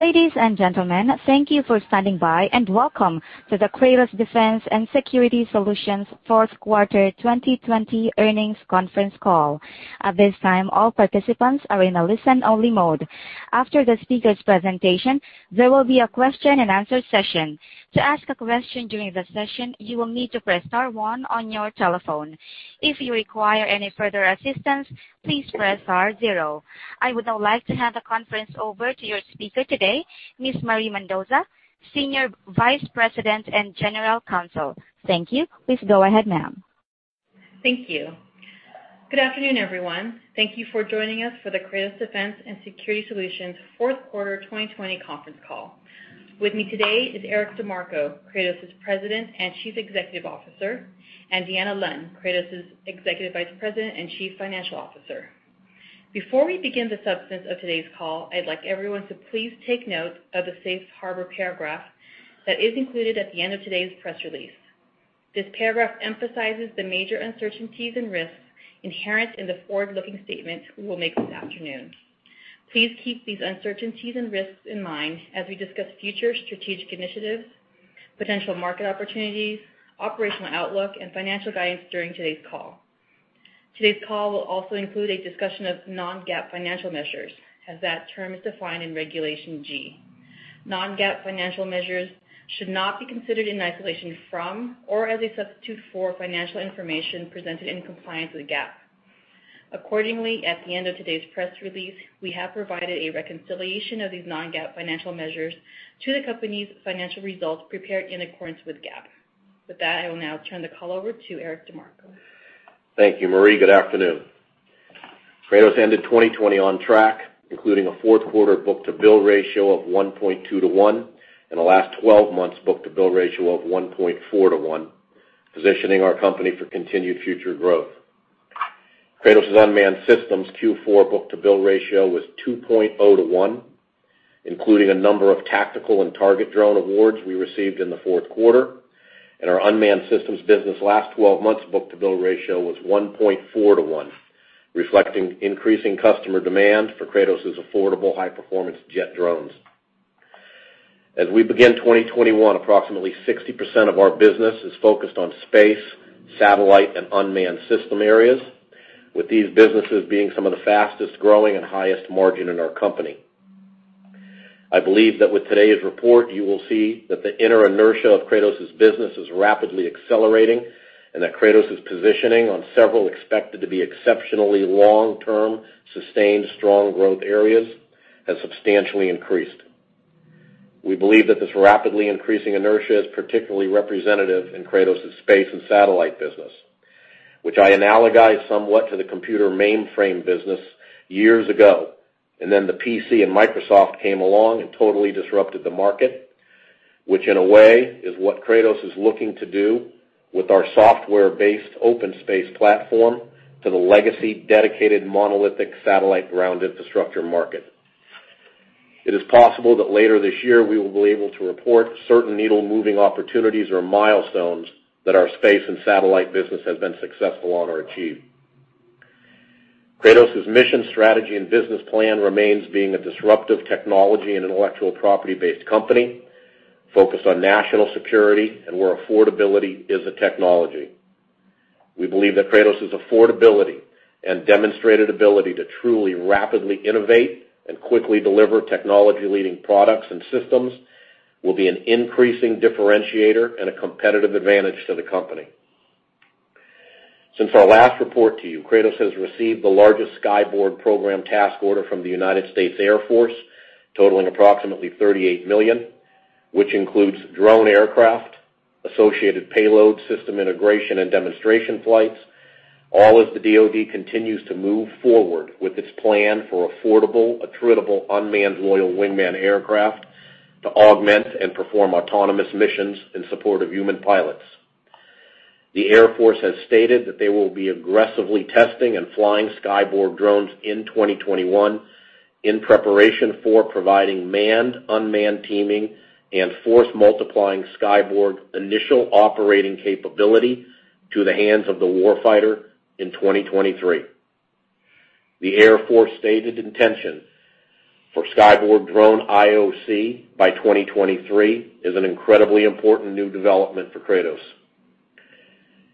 Ladies and gentlemen, thank you for standing by, and welcome to the Kratos Defense & Security Solutions Fourth Quarter 2020 earnings conference call. At this time, all participants are in a listen-only mode. After the speakers' presentation, there will be a question-and-answer session. I would now like to hand the conference over to your speaker today, Ms. Marie Mendoza, Senior Vice President and General Counsel. Thank you. Please go ahead, ma'am. Thank you. Good afternoon, everyone. Thank you for joining us for the Kratos Defense & Security Solutions Fourth Quarter 2020 conference call. With me today is Eric DeMarco, Kratos's President and Chief Executive Officer, and Deanna Lund, Kratos's Executive Vice President and Chief Financial Officer. Before we begin the substance of today's call, I'd like everyone to please take note of the safe harbor paragraph that is included at the end of today's press release. This paragraph emphasizes the major uncertainties and risks inherent in the forward-looking statements we will make this afternoon. Please keep these uncertainties and risks in mind as we discuss future strategic initiatives, potential market opportunities, operational outlook, and financial guidance during today's call. Today's call will also include a discussion of non-GAAP financial measures as that term is defined in Regulation G. Non-GAAP financial measures should not be considered in isolation from or as a substitute for financial information presented in compliance with GAAP. Accordingly, at the end of today's press release, we have provided a reconciliation of these non-GAAP financial measures to the company's financial results prepared in accordance with GAAP. With that, I will now turn the call over to Eric DeMarco. Thank you, Marie. Good afternoon. Kratos ended 2020 on track, including a fourth quarter book-to-bill ratio of 1.2 to one and a last 12 months book-to-bill ratio of 1.4 to one, positioning our company for continued future growth. Kratos's Unmanned Systems Q4 book-to-bill ratio was 2.0:1, including a number of tactical and target drone awards we received in the fourth quarter. Our Unmanned Systems business last 12 months book-to-bill ratio was 1.4:1, reflecting increasing customer demand for Kratos' affordable high-performance jet drones. As we begin 2021, approximately 60% of our business is focused on space, satellite, and unmanned system areas. With these businesses being some of the fastest-growing and highest margin in our company. I believe that with today's report, you will see that the inner inertia of Kratos' business is rapidly accelerating and that Kratos is positioning on several expected to be exceptionally long-term, sustained strong growth areas has substantially increased. We believe that this rapidly increasing inertia is particularly representative in Kratos' Space and Satellite business, which I analogize somewhat to the computer mainframe business years ago, and then the PC and Microsoft came along and totally disrupted the market, which in a way is what Kratos is looking to do with our software-based OpenSpace platform to the legacy dedicated monolithic satellite ground infrastructure market. It is possible that later this year, we will be able to report certain needle-moving opportunities or milestones that our Space and Satellite business has been successful on or achieved. Kratos' mission strategy and business plan remains being a disruptive technology and intellectual property-based company, focused on national security and where affordability is a technology. We believe that Kratos' affordability and demonstrated ability to truly, rapidly innovate and quickly deliver technology-leading products and systems will be an increasing differentiator and a competitive advantage to the company. Since our last report to you, Kratos has received the largest Skyborg program task order from the United States Air Force, totaling approximately $38 million, which includes drone aircraft, associated payload system integration, and demonstration flights, all as the DoD continues to move forward with its plan for affordable, attritable, unmanned loyal wingman aircraft to augment and perform autonomous missions in support of human pilots. The Air Force has stated that they will be aggressively testing and flying Skyborg drones in 2021 in preparation for providing manned-unmanned teaming and force-multiplying Skyborg initial operating capability to the hands of the warfighter in 2023. The Air Force stated intention for Skyborg drone IOC by 2023 is an incredibly important new development for Kratos.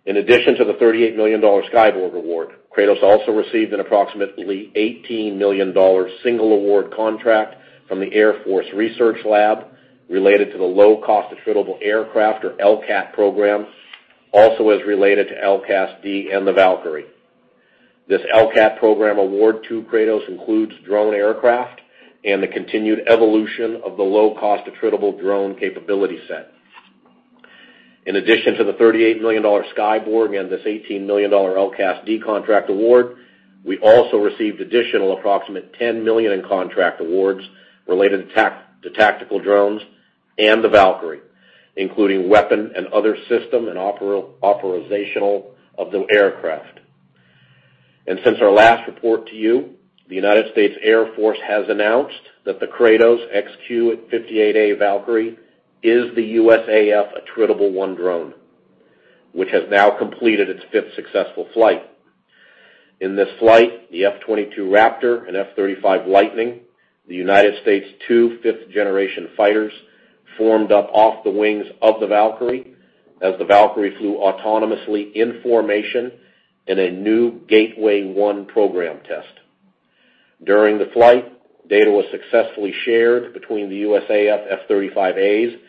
In addition to the $38 million Skyborg award, Kratos also received an approximately $18 million single award contract from the Air Force Research Lab related to the low-cost attritable aircraft or LCAAT program, also as related to LCASD and the Valkyrie. This LCAAT program award to Kratos includes drone aircraft and the continued evolution of the low-cost attritable drone capability set. In addition to the $38 million Skyborg and this $18 million LCASD contract award, we also received additional approximate $10 million in contract awards related to tactical drones and the Valkyrie, including weapon and other system and operational of the aircraft. Since our last report to you, the United States Air Force has announced that the Kratos XQ-58A Valkyrie is the USAF AttritableONE drone, which has now completed its fifth successful flight. In this flight, the F-22 Raptor and F-35 Lightning II, the United States' two fifth-generation fighters, formed up off the wings of the Valkyrie, as the Valkyrie flew autonomously in formation in a new Gateway One program test. During the flight, data was successfully shared between the USAF F-35As and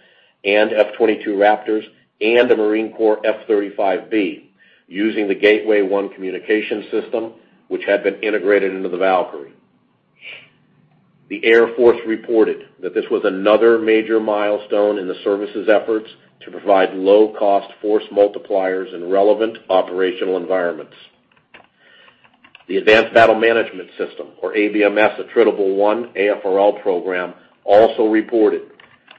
F-22 Raptors and the Marine Corps F-35B using the Gateway One communication system, which had been integrated into the Valkyrie. The Air Force reported that this was another major milestone in the service's efforts to provide low-cost force multipliers in relevant operational environments. The Advanced Battle Management System, or ABMS, AttritableONE AFRL program, also reported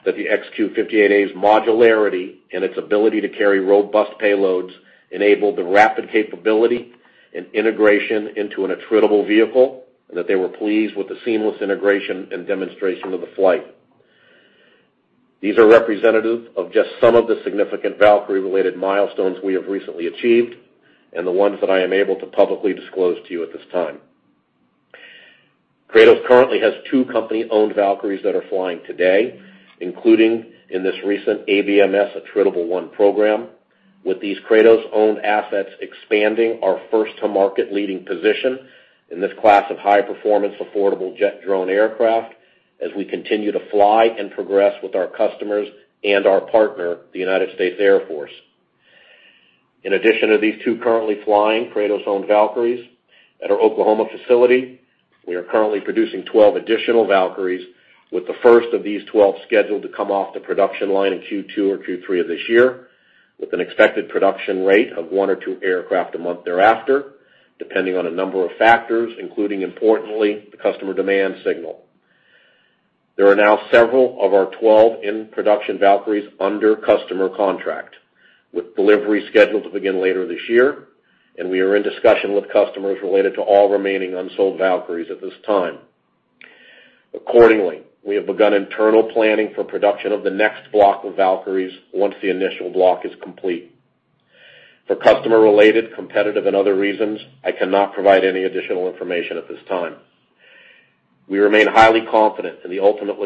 that the XQ-58A's modularity and its ability to carry robust payloads enabled the rapid capability and integration into an attritable vehicle, and that they were pleased with the seamless integration and demonstration of the flight. These are representative of just some of the significant Valkyrie-related milestones we have recently achieved and the ones that I am able to publicly disclose to you at this time. Kratos currently has two company-owned Valkyries that are flying today, including in this recent ABMS AttritableONE program. With these Kratos-owned assets expanding our first-to-market leading position in this class of high-performance affordable jet drone aircraft, as we continue to fly and progress with our customers and our partner, the United States Air Force. In addition to these two currently flying Kratos-owned Valkyries, at our Oklahoma facility, we are currently producing 12 additional Valkyries, with the first of these 1s scheduled to come off the production line in Q2 or Q3 of this year, with an expected production rate of one or two aircraft a month thereafter, depending on a number of factors, including, importantly, the customer demand signal. There are now several of our 12 in-production Valkyries under customer contract, with delivery scheduled to begin later this year, and we are in discussion with customers related to all remaining unsold Valkyries at this time. Accordingly, we have begun internal planning for production of the next block of Valkyries, once the initial block is complete. For customer-related, competitive, and other reasons, I cannot provide any additional information at this time. We remain highly confident in the ultimate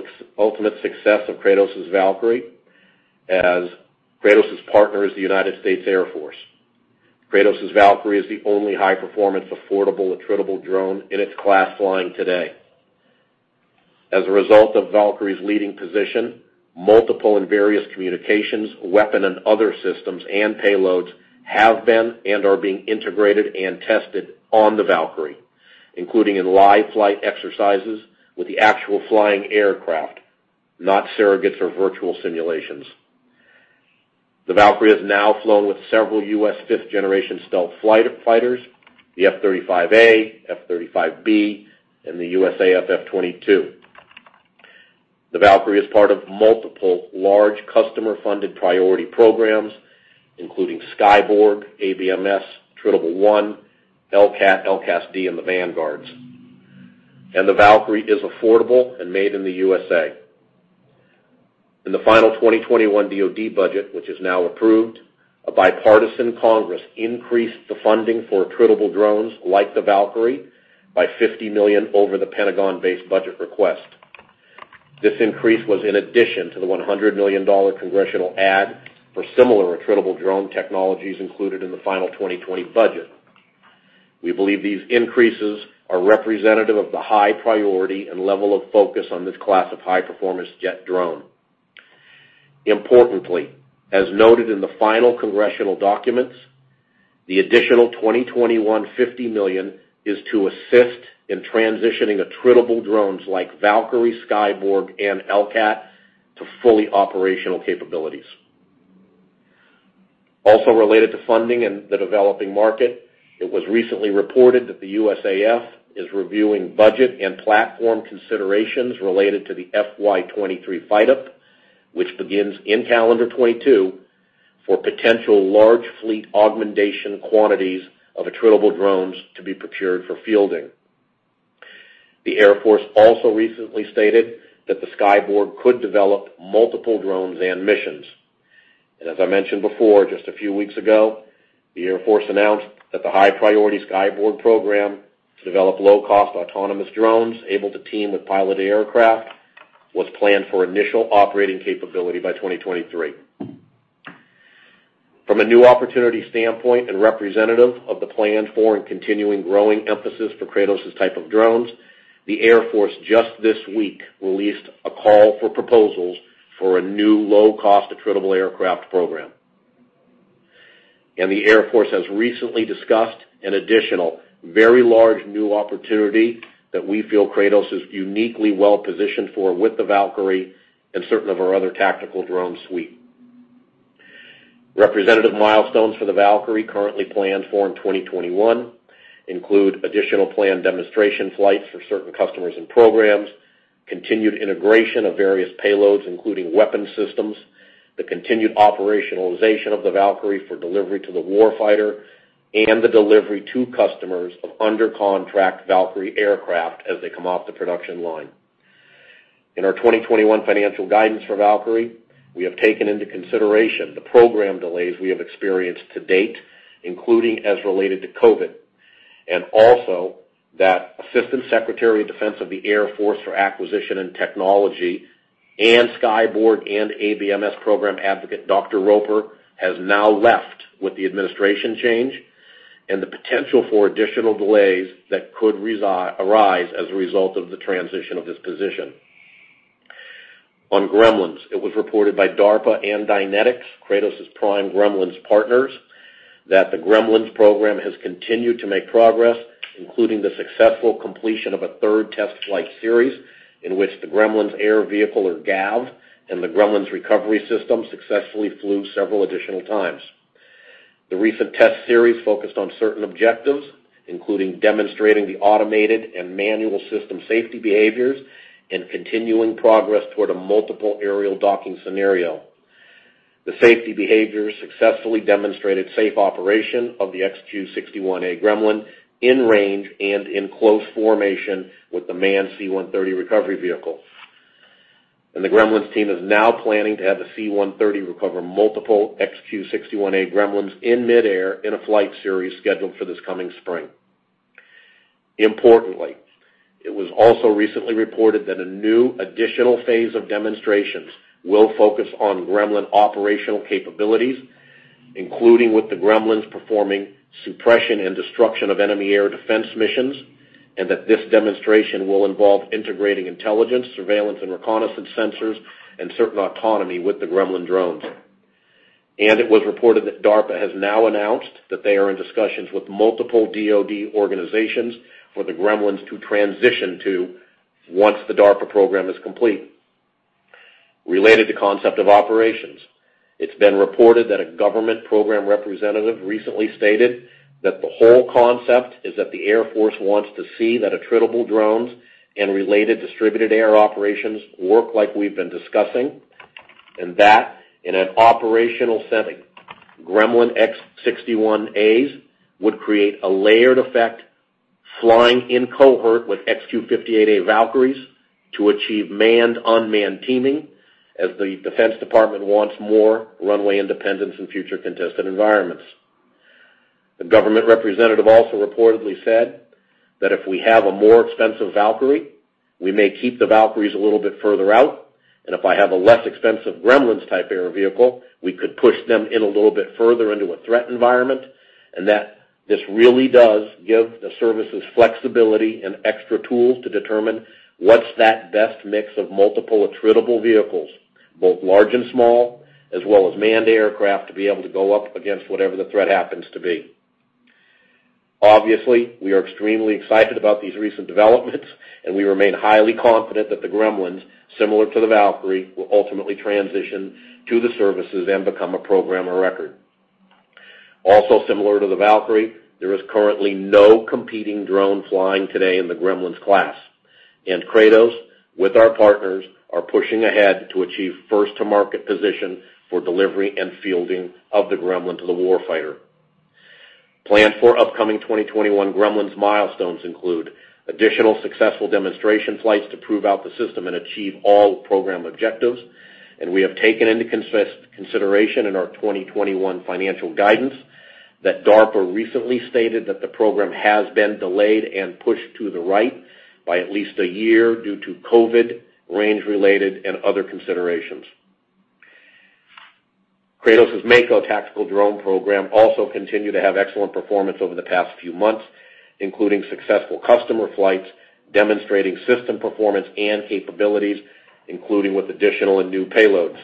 success of Kratos' Valkyrie as Kratos' partner is the United States Air Force. Kratos' Valkyrie is the only high-performance, affordable, attritable drone in its class flying today. As a result of Valkyrie's leading position, multiple and various communications, weapon, and other systems and payloads have been and are being integrated and tested on the Valkyrie, including in live flight exercises with the actual flying aircraft, not surrogates or virtual simulations. The Valkyrie has now flown with several U.S. fifth-generation stealth fighters, the F-35A, F-35B, and the USAF F-22. The Valkyrie is part of multiple large customer-funded priority programs, including Skyborg, ABMS, AttritableONE, LCAAT, LCASD, and the Vanguards. The Valkyrie is affordable and made in the USA. In the final 2021 DoD budget, which is now approved, a bipartisan Congress increased the funding for attritable drones like the Valkyrie by $50 million over The Pentagon base budget request. This increase was in addition to the $100 million congressional add for similar attritable drone technologies included in the final 2020 budget. We believe these increases are representative of the high priority and level of focus on this class of high-performance jet drone. Importantly, as noted in the final congressional documents, the additional 2021 $50 million is to assist in transitioning attritable drones like Valkyrie, Skyborg, and LCAAT to fully operational capabilities. Also related to funding and the developing market, it was recently reported that the USAF is reviewing budget and platform considerations related to the FY 2023 fight up, which begins in calendar 2022 for potential large fleet augmentation quantities of attritable drones to be procured for fielding. The Air Force also recently stated that the Skyborg could develop multiple drones and missions. As I mentioned before, just a few weeks ago, the Air Force announced that the high-priority Skyborg program to develop low-cost autonomous drones able to team with piloted aircraft was planned for initial operating capability by 2023. From a new opportunity standpoint and representative of the plan for and continuing growing emphasis for Kratos' type of drones, the Air Force just this week released a call for proposals for a new low-cost attritable aircraft program. The Air Force has recently discussed an additional very large new opportunity that we feel Kratos is uniquely well-positioned for with the Valkyrie and certain of our other tactical drone suite. Representative milestones for the Valkyrie currently planned for in 2021 include additional planned demonstration flights for certain customers and programs, continued integration of various payloads, including weapon systems, the continued operationalization of the Valkyrie for delivery to the warfighter, and the delivery to customers of under-contract Valkyrie aircraft as they come off the production line. In our 2021 financial guidance for Valkyrie, we have taken into consideration the program delays we have experienced to date, including as related to COVID, and also that Assistant Secretary of Defense of the Air Force for Acquisition and Technology and Skyborg and ABMS program advocate, Dr. Roper, has now left with the administration change and the potential for additional delays that could arise as a result of the transition of his position. On Gremlins, it was reported by DARPA and Dynetics, Kratos' prime Gremlins partners, that the Gremlins Program has continued to make progress, including the successful completion of a third test flight series, in which the Gremlins Air Vehicle, or GAV, and the Gremlins recovery system successfully flew several additional times. The recent test series focused on certain objectives, including demonstrating the automated and manual system safety behaviors and continuing progress toward a multiple aerial docking scenario. The safety behaviors successfully demonstrated safe operation of the X-61A Gremlin in range and in close formation with the manned C-130 recovery vehicle. The Gremlins team is now planning to have the C-130 recover multiple X-61A Gremlins in midair in a flight series scheduled for this coming spring. Importantly, it was also recently reported that a new additional phase of demonstrations will focus on Gremlin operational capabilities, including with the Gremlins performing suppression and destruction of enemy air defense missions, and that this demonstration will involve integrating intelligence, surveillance, and reconnaissance sensors and certain autonomy with the Gremlin drones. It was reported that DARPA has now announced that they are in discussions with multiple DoD organizations for the Gremlins to transition to once the DARPA program is complete. Related to concept of operations, it's been reported that a government program representative recently stated that the whole concept is that the Air Force wants to see that attritable drones and related distributed air operations work like we've been discussing, and that in an operational setting, Gremlins X-61As would create a layered effect, flying in cohort with XQ-58A Valkyries to achieve manned-unmanned teaming, as the Defense Department wants more runway independence in future contested environments. The government representative also reportedly said that if we have a more expensive Valkyrie, we may keep the Valkyries a little bit further out. If I have a less expensive Gremlins-type air vehicle, we could push them in a little bit further into a threat environment, and that this really does give the services flexibility and extra tools to determine what's that best mix of multiple attritable vehicles, both large and small, as well as manned aircraft, to be able to go up against whatever the threat happens to be. Obviously, we are extremely excited about these recent developments, and we remain highly confident that the Gremlins, similar to the Valkyrie, will ultimately transition to the services and become a program of record. Also similar to the Valkyrie, there is currently no competing drone flying today in the Gremlins class. Kratos, with our partners, are pushing ahead to achieve first-to-market position for delivery and fielding of the Gremlin to the war fighter. Planned for upcoming 2021 Gremlins milestones include additional successful demonstration flights to prove out the system and achieve all program objectives. We have taken into consideration in our 2021 financial guidance that DARPA recently stated that the program has been delayed and pushed to the right by at least a year due to COVID, range-related, and other considerations. Kratos' Mako tactical drone program also continued to have excellent performance over the past few months, including successful customer flights demonstrating system performance and capabilities, including with additional and new payloads.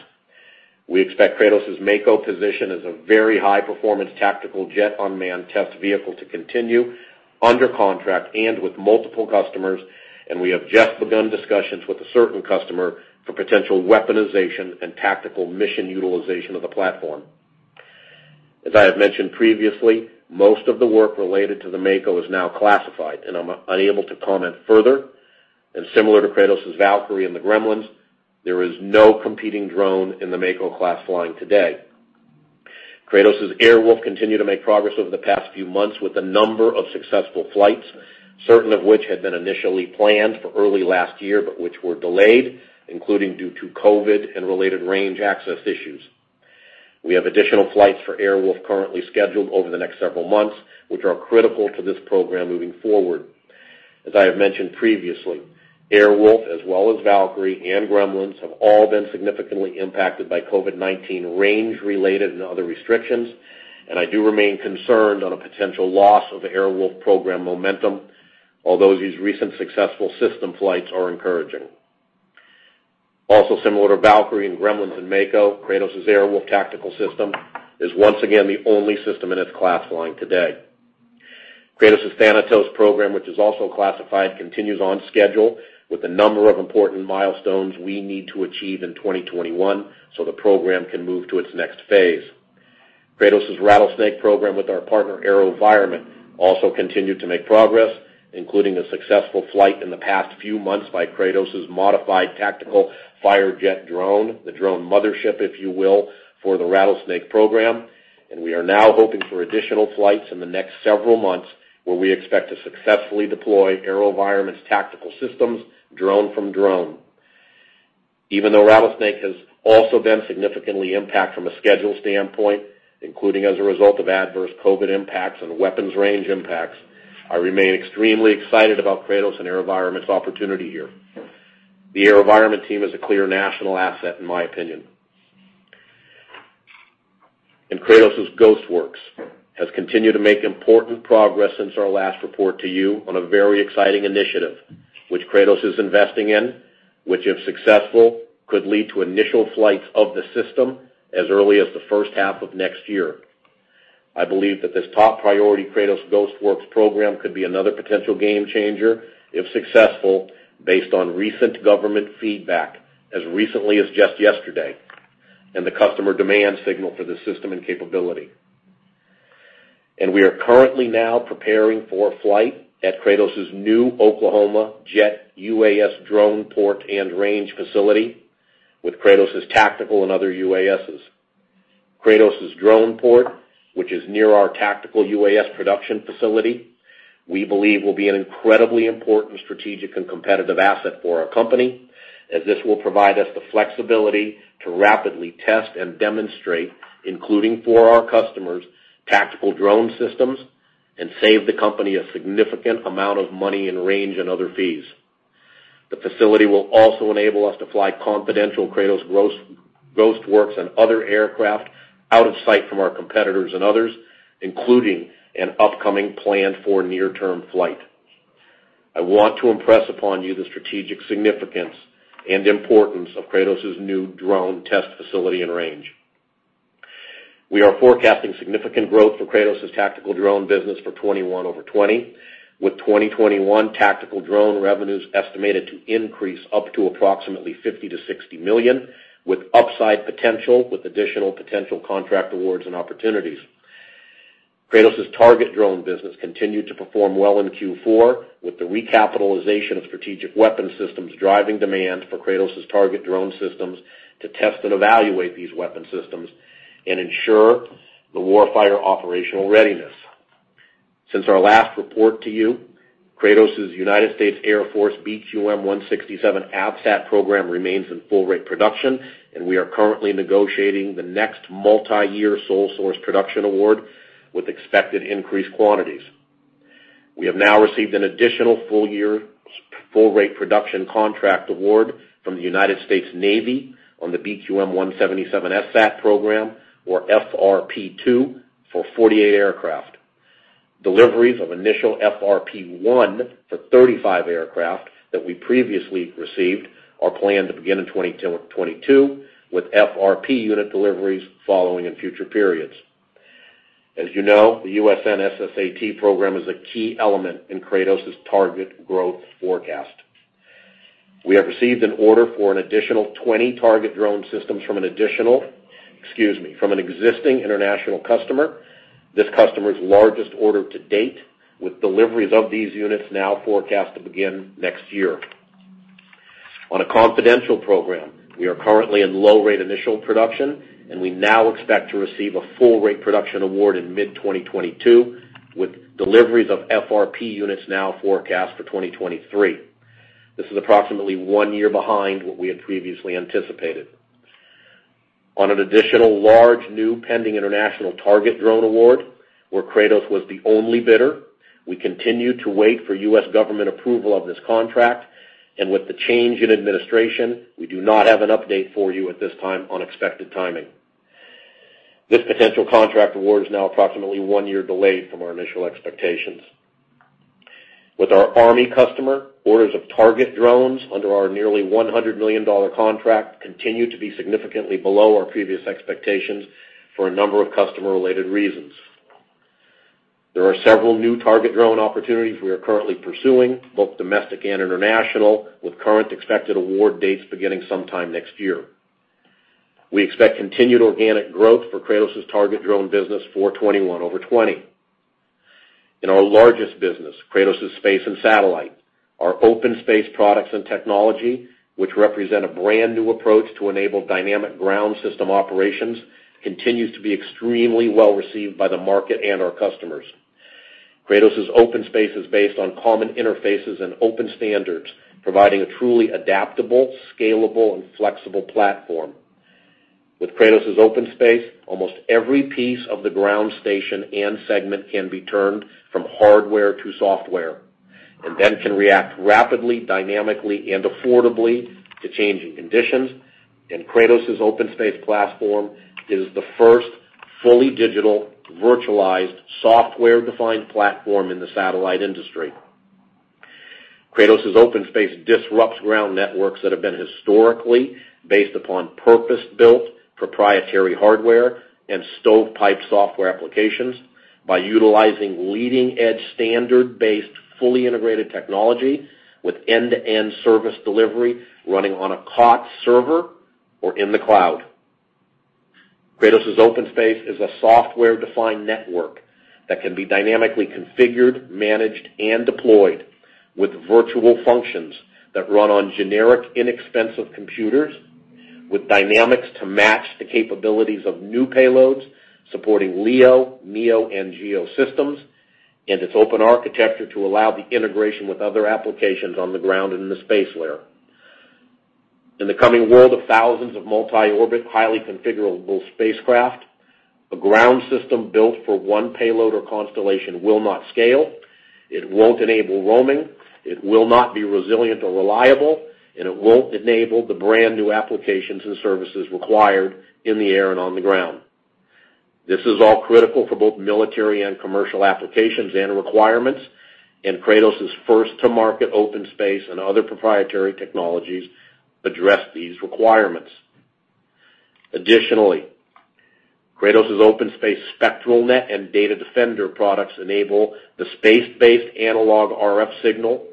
We expect Kratos' Mako position as a very high-performance tactical jet unmanned test vehicle to continue under contract and with multiple customers, and we have just begun discussions with a certain customer for potential weaponization and tactical mission utilization of the platform. As I have mentioned previously, most of the work related to the Mako is now classified, and I'm unable to comment further. Similar to Kratos' Valkyrie and the Gremlins, there is no competing drone in the Mako class flying today. Kratos' AirWolf continued to make progress over the past few months with a number of successful flights, certain of which had been initially planned for early last year, but which were delayed, including due to COVID and related range access issues. We have additional flights for AirWolf currently scheduled over the next several months, which are critical to this program moving forward. As I have mentioned previously, AirWolf, as well as Valkyrie and Gremlins, have all been significantly impacted by COVID-19 range-related and other restrictions, and I do remain concerned on a potential loss of AirWolf program momentum, although these recent successful system flights are encouraging. Also similar to Valkyrie and Gremlins and Mako, Kratos' Airwolf tactical system is once again the only system in its class flying today. Kratos' Thanatos program, which is also classified, continues on schedule with a number of important milestones we need to achieve in 2021 so the program can move to its next phase. Kratos' Rattlesnake program with our partner AeroVironment also continued to make progress, including a successful flight in the past few months by Kratos' modified tactical Firejet drone, the drone mothership, if you will, for the Rattlesnake program. We are now hoping for additional flights in the next several months, where we expect to successfully deploy AeroVironment's tactical systems drone from drone. Even though Rattlesnake has also been significantly impacted from a schedule standpoint, including as a result of adverse COVID impacts and weapons range impacts, I remain extremely excited about Kratos and AeroVironment's opportunity here. The AeroVironment team is a clear national asset, in my opinion. Kratos' Ghost Works has continued to make important progress since our last report to you on a very exciting initiative, which Kratos is investing in, which if successful, could lead to initial flights of the system as early as the first half of next year. I believe that this top priority Kratos Ghost Works program could be another potential game changer if successful, based on recent government feedback, as recently as just yesterday, and the customer demand signal for the system and capability. We are currently now preparing for a flight at Kratos' new Oklahoma jet UAS drone port and range facility with Kratos' tactical and other UASs. Kratos' drone port, which is near our tactical UAS production facility, we believe will be an incredibly important strategic and competitive asset for our company, as this will provide us the flexibility to rapidly test and demonstrate, including for our customers, tactical drone systems and save the company a significant amount of money in range and other fees. The facility will also enable us to fly confidential Kratos Ghost Works and other aircraft out of sight from our competitors and others, including an upcoming plan for near-term flight. I want to impress upon you the strategic significance and importance of Kratos' new drone test facility and range. We are forecasting significant growth for Kratos' Tactical Drone business for 2021 over 2020, with 2021 tactical drone revenues estimated to increase up to approximately $50 million-$60 million, with upside potential with additional potential contract awards and opportunities. Kratos' Target Drone business continued to perform well in Q4 with the recapitalization of strategic weapon systems driving demand for Kratos' target drone systems to test and evaluate these weapon systems and ensure the war fighter operational readiness. Since our last report to you, Kratos' U.S. Air Force BQM-167 AFSAT program remains in full rate production, and we are currently negotiating the next multi-year sole source production award with expected increased quantities. We have now received an additional full rate production contract award from the U.S. Navy on the BQM-177 SSAT program, or FRP 2, for 48 aircraft. Deliveries of initial FRP 1 for 35 aircraft that we previously received are planned to begin in 2022, with FRP unit deliveries following in future periods. As you know, the U.S. Navy SSAT program is a key element in Kratos' target growth forecast. We have received an order for an additional 20 target drone systems from an existing international customer, this customer's largest order to date, with deliveries of these units now forecast to begin next year. On a confidential program, we are currently in low-rate initial production, and we now expect to receive a full-rate production award in mid-2022, with deliveries of FRP units now forecast for 2023. This is approximately one year behind what we had previously anticipated. On an additional large new pending international target drone award, where Kratos was the only bidder, we continue to wait for U.S. Government approval of this contract. With the change in administration, we do not have an update for you at this time on expected timing. This potential contract award is now approximately one year delayed from our initial expectations. With our Army customer, orders of target drones under our nearly $100 million contract continue to be significantly below our previous expectations for a number of customer-related reasons. There are several new target drone opportunities we are currently pursuing, both domestic and international, with current expected award dates beginning sometime next year. We expect continued organic growth for Kratos' Target Drone business for 2021 over 2020. In our largest business, Kratos' Space and Satellite, our OpenSpace products and technology, which represent a brand-new approach to enable dynamic ground system operations, continues to be extremely well-received by the market and our customers. Kratos' OpenSpace is based on common interfaces and open standards, providing a truly adaptable, scalable, and flexible platform. With Kratos' OpenSpace, almost every piece of the ground station and segment can be turned from hardware to software and then can react rapidly, dynamically, and affordably to changing conditions. Kratos' OpenSpace platform is the first fully digital, virtualized, software-defined platform in the satellite industry. Kratos' OpenSpace disrupts ground networks that have been historically based upon purpose-built proprietary hardware and stovepipe software applications by utilizing leading-edge, standard-based, fully integrated technology with end-to-end service delivery running on a COTS server or in the cloud. Kratos' OpenSpace is a software-defined network that can be dynamically configured, managed, and deployed with virtual functions that run on generic, inexpensive computers, with dynamics to match the capabilities of new payloads, supporting LEO, MEO, and GEO systems, and its open architecture to allow the integration with other applications on the ground and in the space layer. In the coming world of thousands of multi-orbit, highly configurable spacecraft, a ground system built for one payload or constellation will not scale. It won't enable roaming. It will not be resilient or reliable, and it won't enable the brand-new applications and services required in the air and on the ground. This is all critical for both military and commercial applications and requirements, and Kratos' first to market OpenSpace and other proprietary technologies address these requirements. Additionally, Kratos' OpenSpace SpectralNet and DataDefender products enable the space-based analog RF signal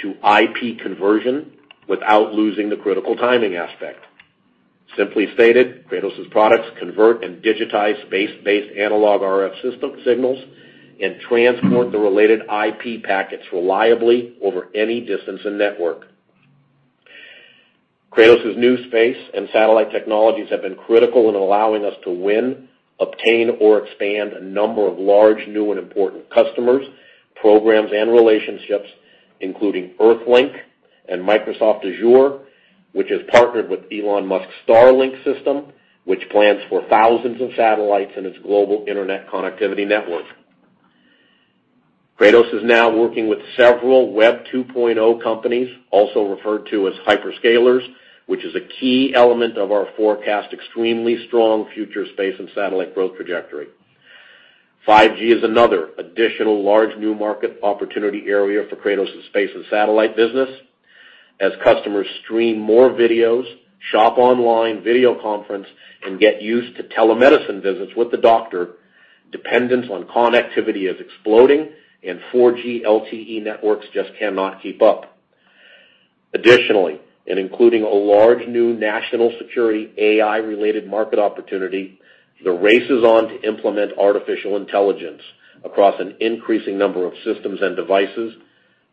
to IP conversion without losing the critical timing aspect. Simply stated, Kratos' products convert and digitize space-based analog RF system signals and transport the related IP packets reliably over any distance and network. Kratos' new space and satellite technologies have been critical in allowing us to win, obtain, or expand a number of large, new, and important customers, programs, and relationships, including EarthLink and Microsoft Azure, which has partnered with Elon Musk's Starlink system, which plans for thousands of satellites in its global internet connectivity network. Kratos is now working with several Web 2.0 companies, also referred to as hyperscalers, which is a key element of our forecast extremely strong future space and satellite growth trajectory. 5G is another additional large new market opportunity area for Kratos' Space and Satellite business. As customers stream more videos, shop online, video conference, and get used to telemedicine visits with the doctor, dependence on connectivity is exploding, and 4G LTE networks just cannot keep up. Additionally, and including a large new national security AI-related market opportunity, the race is on to implement artificial intelligence across an increasing number of systems and devices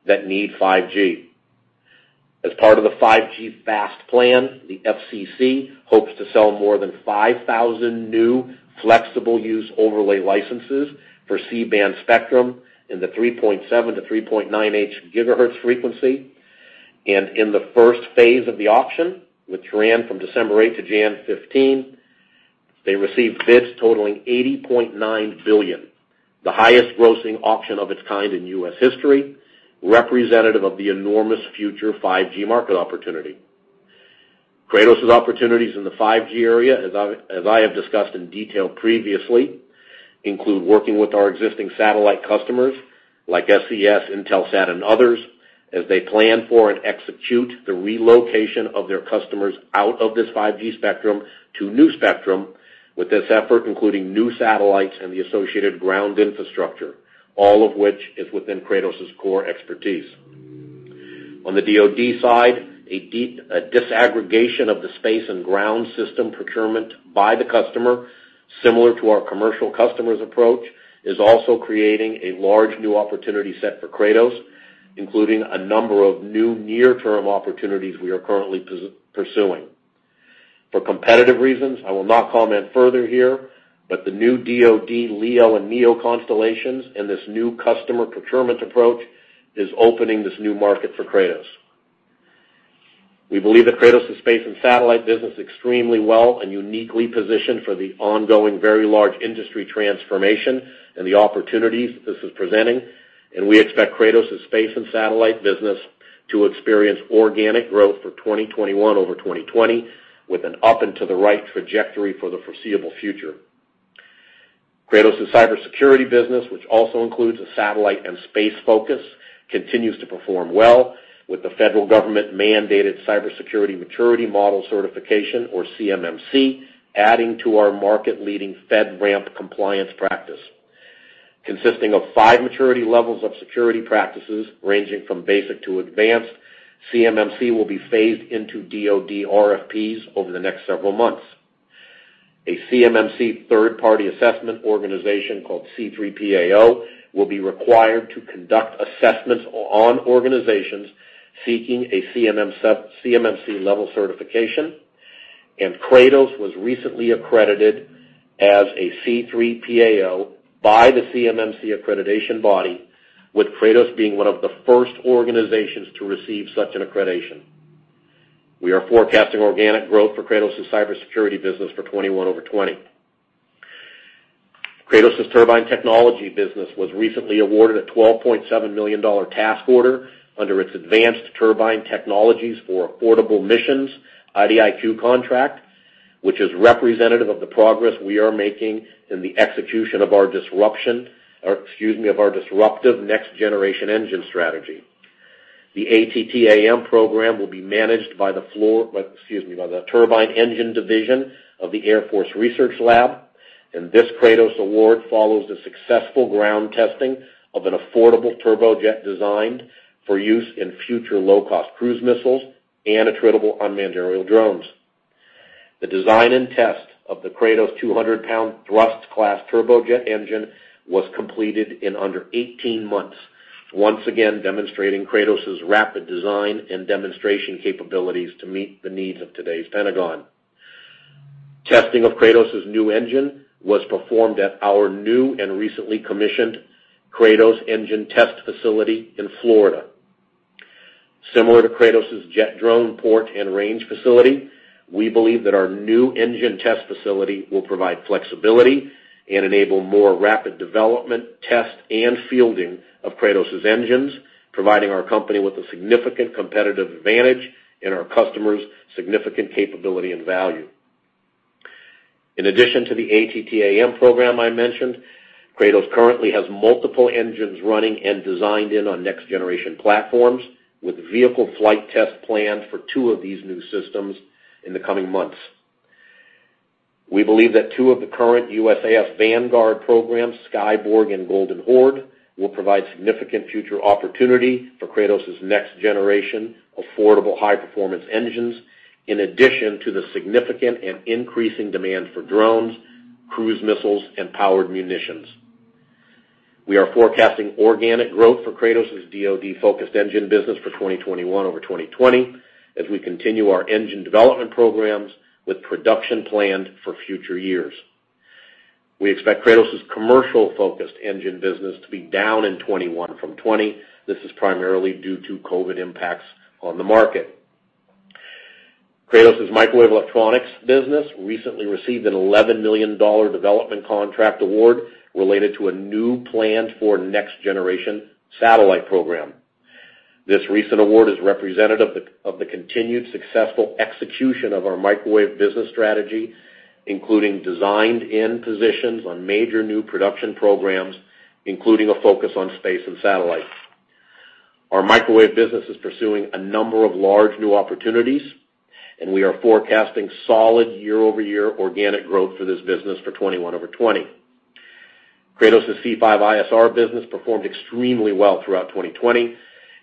that need 5G. As part of the 5G FAST Plan, the FCC hopes to sell more than 5,000 new flexible-use overlay licenses for C-band spectrum in the 3.7 GHz-3.98 GHz frequency. In the first phase of the auction, which ran from December 8 to January 15, they received bids totaling $80.9 billion, the highest grossing auction of its kind in U.S. history, representative of the enormous future 5G market opportunity. Kratos' opportunities in the 5G area, as I have discussed in detail previously, include working with our existing satellite customers, like SES, Intelsat, and others, as they plan for and execute the relocation of their customers out of this 5G spectrum to new spectrum with this effort, including new satellites and the associated ground infrastructure, all of which is within Kratos' core expertise. On the DoD side, a deep disaggregation of the space and ground system procurement by the customer, similar to our commercial customer's approach, is also creating a large new opportunity set for Kratos, including a number of new near-term opportunities we are currently pursuing. For competitive reasons, I will not comment further here, but the new DoD LEO and MEO constellations and this new customer procurement approach is opening this new market for Kratos. We believe that Kratos' Space and Satellite business extremely well and uniquely positioned for the ongoing, very large industry transformation and the opportunities this is presenting. We expect Kratos' Space and Satellite business to experience organic growth for 2021 over 2020 with an up and to the right trajectory for the foreseeable future. Kratos' Cybersecurity business, which also includes a satellite and space focus, continues to perform well with the federal government-mandated Cybersecurity Maturity Model Certification, or CMMC, adding to our market-leading FedRAMP compliance practice. Consisting of five maturity levels of security practices ranging from basic to advanced, CMMC will be phased into DoD RFPs over the next several months. A CMMC third-party assessment organization called C3PAO will be required to conduct assessments on organizations seeking a CMMC level certification, and Kratos was recently accredited as a C3PAO by the CMMC accreditation body, with Kratos being one of the first organizations to receive such an accreditation. We are forecasting organic growth for Kratos' Cybersecurity business for 2021 over 2020. Kratos' Turbine Technologies business was recently awarded a $12.7 million task order under its Advanced Turbine Technologies for Affordable Missions IDIQ contract, which is representative of the progress we are making in the execution of our disruptive next-generation engine strategy. The ATTAM program will be managed by the turbine engine division of the Air Force Research Laboratory. This Kratos award follows the successful ground testing of an affordable turbojet design for use in future low-cost cruise missiles and attritable unmanned aerial drones. The design and test of the Kratos 200-lb thrust class turbojet engine was completed in under 18 months, once again demonstrating Kratos' rapid design and demonstration capabilities to meet the needs of today's The Pentagon. Testing of Kratos' new engine was performed at our new and recently commissioned Kratos Engine Test Facility in Florida. Similar to Kratos' Jet Drone Port and Range Facility, we believe that our new engine test facility will provide flexibility and enable more rapid development, test, and fielding of Kratos' engines, providing our company with a significant competitive advantage and our customers significant capability and value. In addition to the ATTAM program I mentioned, Kratos currently has multiple engines running and designed in on next-generation platforms, with vehicle flight test planned for two of these new systems in the coming months. We believe that two of the current USAF Vanguard programs, Skyborg and Golden Horde, will provide significant future opportunity for Kratos' next-generation affordable high-performance engines, in addition to the significant and increasing demand for drones, cruise missiles, and powered munitions. We are forecasting organic growth for Kratos' DoD-focused Engine business for 2021 over 2020 as we continue our engine development programs with production planned for future years. We expect Kratos' commercial-focused Engine business to be down in 2021 from 2020. This is primarily due to COVID impacts on the market. Kratos' Microwave Electronics business recently received an $11 million development contract award related to a new planned-for next-generation satellite program. This recent award is representative of the continued successful execution of our Microwave business strategy, including designed-in positions on major new production programs, including a focus on space and satellites. Our Microwave business is pursuing a number of large new opportunities, and we are forecasting solid year-over-year organic growth for this business for 2021 over 2020. Kratos' C5ISR business performed extremely well throughout 2020,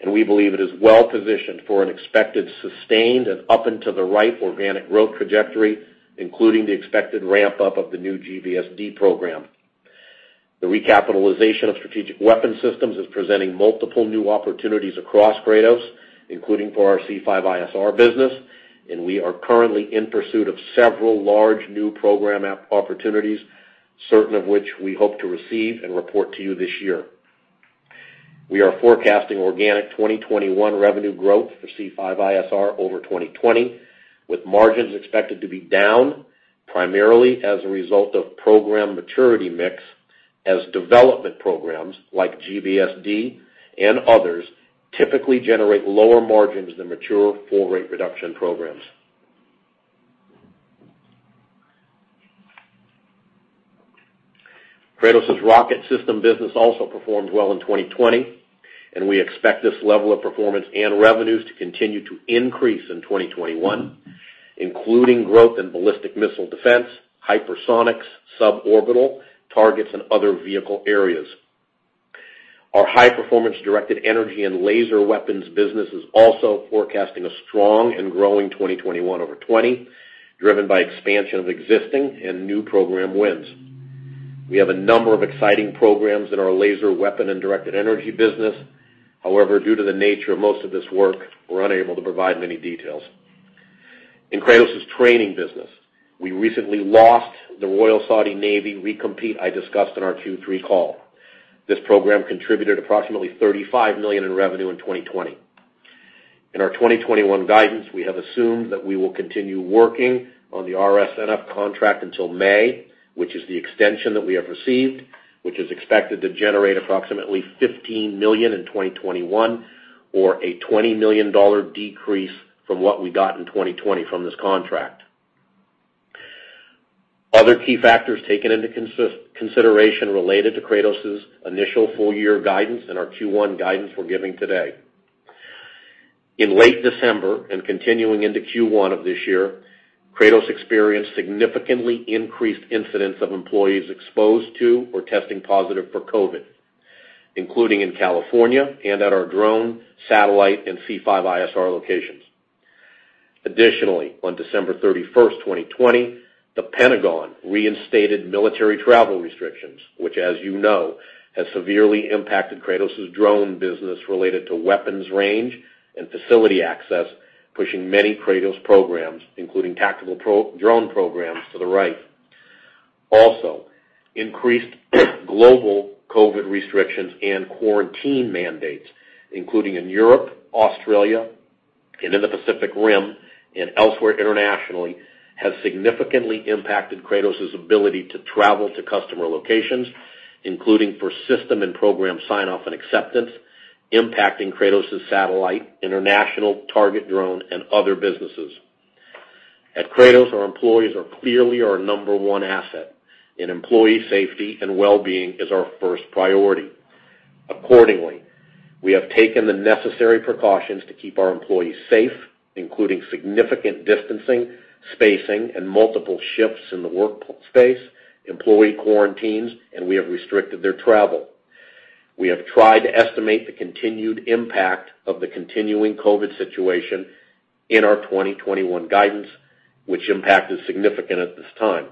and we believe it is well-positioned for an expected sustained and up-and-to-the-right organic growth trajectory, including the expected ramp-up of the new GBSD program. The recapitalization of strategic weapons systems is presenting multiple new opportunities across Kratos, including for our C5ISR business, and we are currently in pursuit of several large new program opportunities, certain of which we hope to receive and report to you this year. We are forecasting organic 2021 revenue growth for C5ISR over 2020, with margins expected to be down primarily as a result of program maturity mix, as development programs like GBSD and others typically generate lower margins than mature full rate production programs. Kratos' Rocket System business also performed well in 2020, and we expect this level of performance and revenues to continue to increase in 2021, including growth in ballistic missile defense, hypersonics, suborbital targets, and other vehicle areas. Our high-performance Directed Energy and Laser Weapons business is also forecasting a strong and growing 2021 over 2020, driven by expansion of existing and new program wins. We have a number of exciting programs in our Laser Weapon and Directed Energy business. Due to the nature of most of this work, we're unable to provide many details. In Kratos' Training business, we recently lost the Royal Saudi Navy recompete I discussed on our Q3 call. This program contributed approximately $35 million in revenue in 2020. In our 2021 guidance, we have assumed that we will continue working on the RSF contract until May, which is the extension that we have received, which is expected to generate approximately $15 million in 2021 or a $20 million decrease from what we got in 2020 from this contract. Other key factors taken into consideration related to Kratos' initial full-year guidance and our Q1 guidance we're giving today. In late December and continuing into Q1 of this year, Kratos experienced significantly increased incidents of employees exposed to or testing positive for COVID, including in California and at our drone, satellite, and C5ISR locations. Additionally, on December 31st, 2020, The Pentagon reinstated military travel restrictions, which as you know, has severely impacted Kratos' Drone business related to weapons range and facility access, pushing many Kratos programs, including tactical drone programs, to the right. Also, increased global COVID restrictions and quarantine mandates, including in Europe, Australia, and in the Pacific Rim and elsewhere internationally, has significantly impacted Kratos' ability to travel to customer locations, including for system and program sign-off and acceptance, impacting Kratos' satellite, international target drone, and other businesses. At Kratos, our employees are clearly our number one asset, and employee safety and wellbeing is our first priority. Accordingly, we have taken the necessary precautions to keep our employees safe, including significant distancing, spacing, and multiple shifts in the workspace, employee quarantines, and we have restricted their travel. We have tried to estimate the continued impact of the continuing COVID situation in our 2021 guidance, which impact is significant at this time.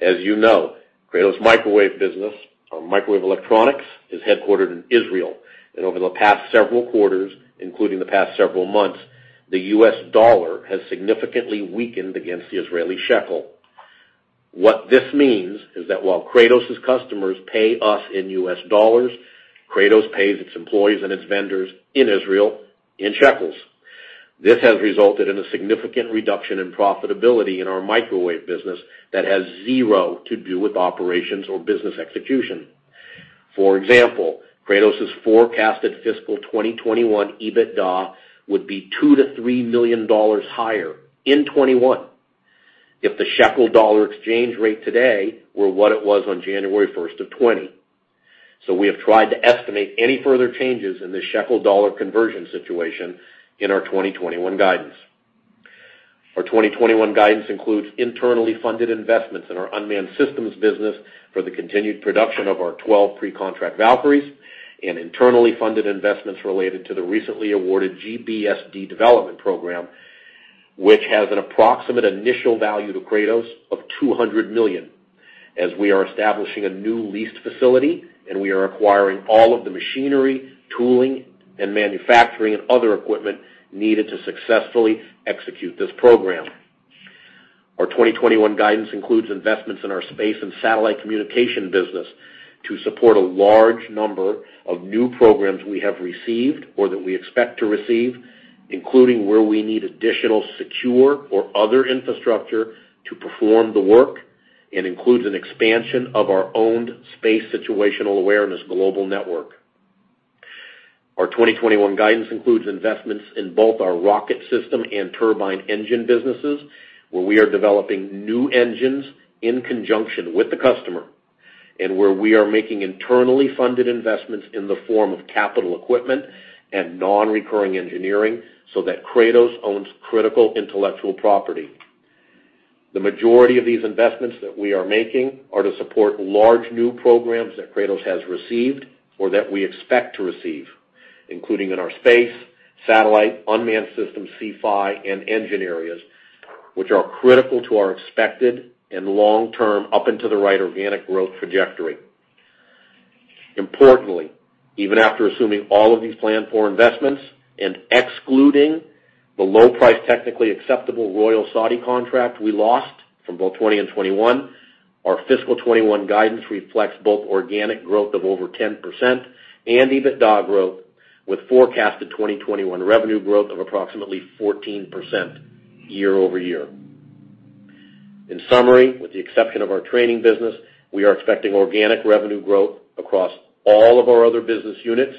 As you know, Kratos Microwave business, or Microwave Electronics, is headquartered in Israel. Over the past several quarters, including the past several months, the U.S. dollar has significantly weakened against the Israeli shekel. What this means is that while Kratos' customers pay us in U.S. dollars, Kratos pays its employees and its vendors in Israel in shekels. This has resulted in a significant reduction in profitability in our Microwave business that has zero to do with operations or business execution. For example, Kratos' forecasted fiscal 2021 EBITDA would be $2 million-$3 million higher in 2021 if the shekel-dollar exchange rate today were what it was on January 1, 2020. We have tried to estimate any further changes in the shekel-dollar conversion situation in our 2021 guidance. Our 2021 guidance includes internally funded investments in our Unmanned Systems business for the continued production of our 12 pre-contract Valkyries, and internally funded investments related to the recently awarded GBSD development program, which has an approximate initial value to Kratos of $200 million, as we are establishing a new leased facility, and we are acquiring all of the machinery, tooling, and manufacturing, and other equipment needed to successfully execute this program. Our 2021 guidance includes investments in our Space and Satellite Communication business to support a large number of new programs we have received or that we expect to receive, including where we need additional secure or other infrastructure to perform the work and includes an expansion of our owned space situational awareness global network. Our 2021 guidance includes investments in both our Rocket System and Turbine Engine businesses, where we are developing new engines in conjunction with the customer, and where we are making internally funded investments in the form of capital equipment and non-recurring engineering so that Kratos owns critical intellectual property. The majority of these investments that we are making are to support large new programs that Kratos has received or that we expect to receive, including in our space, satellite, unmanned system, C5I, and engine areas, which are critical to our expected and long-term up and to the right organic growth trajectory. Importantly, even after assuming all of these planned four investments and excluding the low price technically acceptable Royal Saudi contract we lost from both 2020 and 2021, our fiscal year 2021 guidance reflects both organic growth of over 10% and EBITDA growth with forecasted 2021 revenue growth of approximately 14% year-over-year. In summary, with the exception of our Training business, we are expecting organic revenue growth across all of our other business units,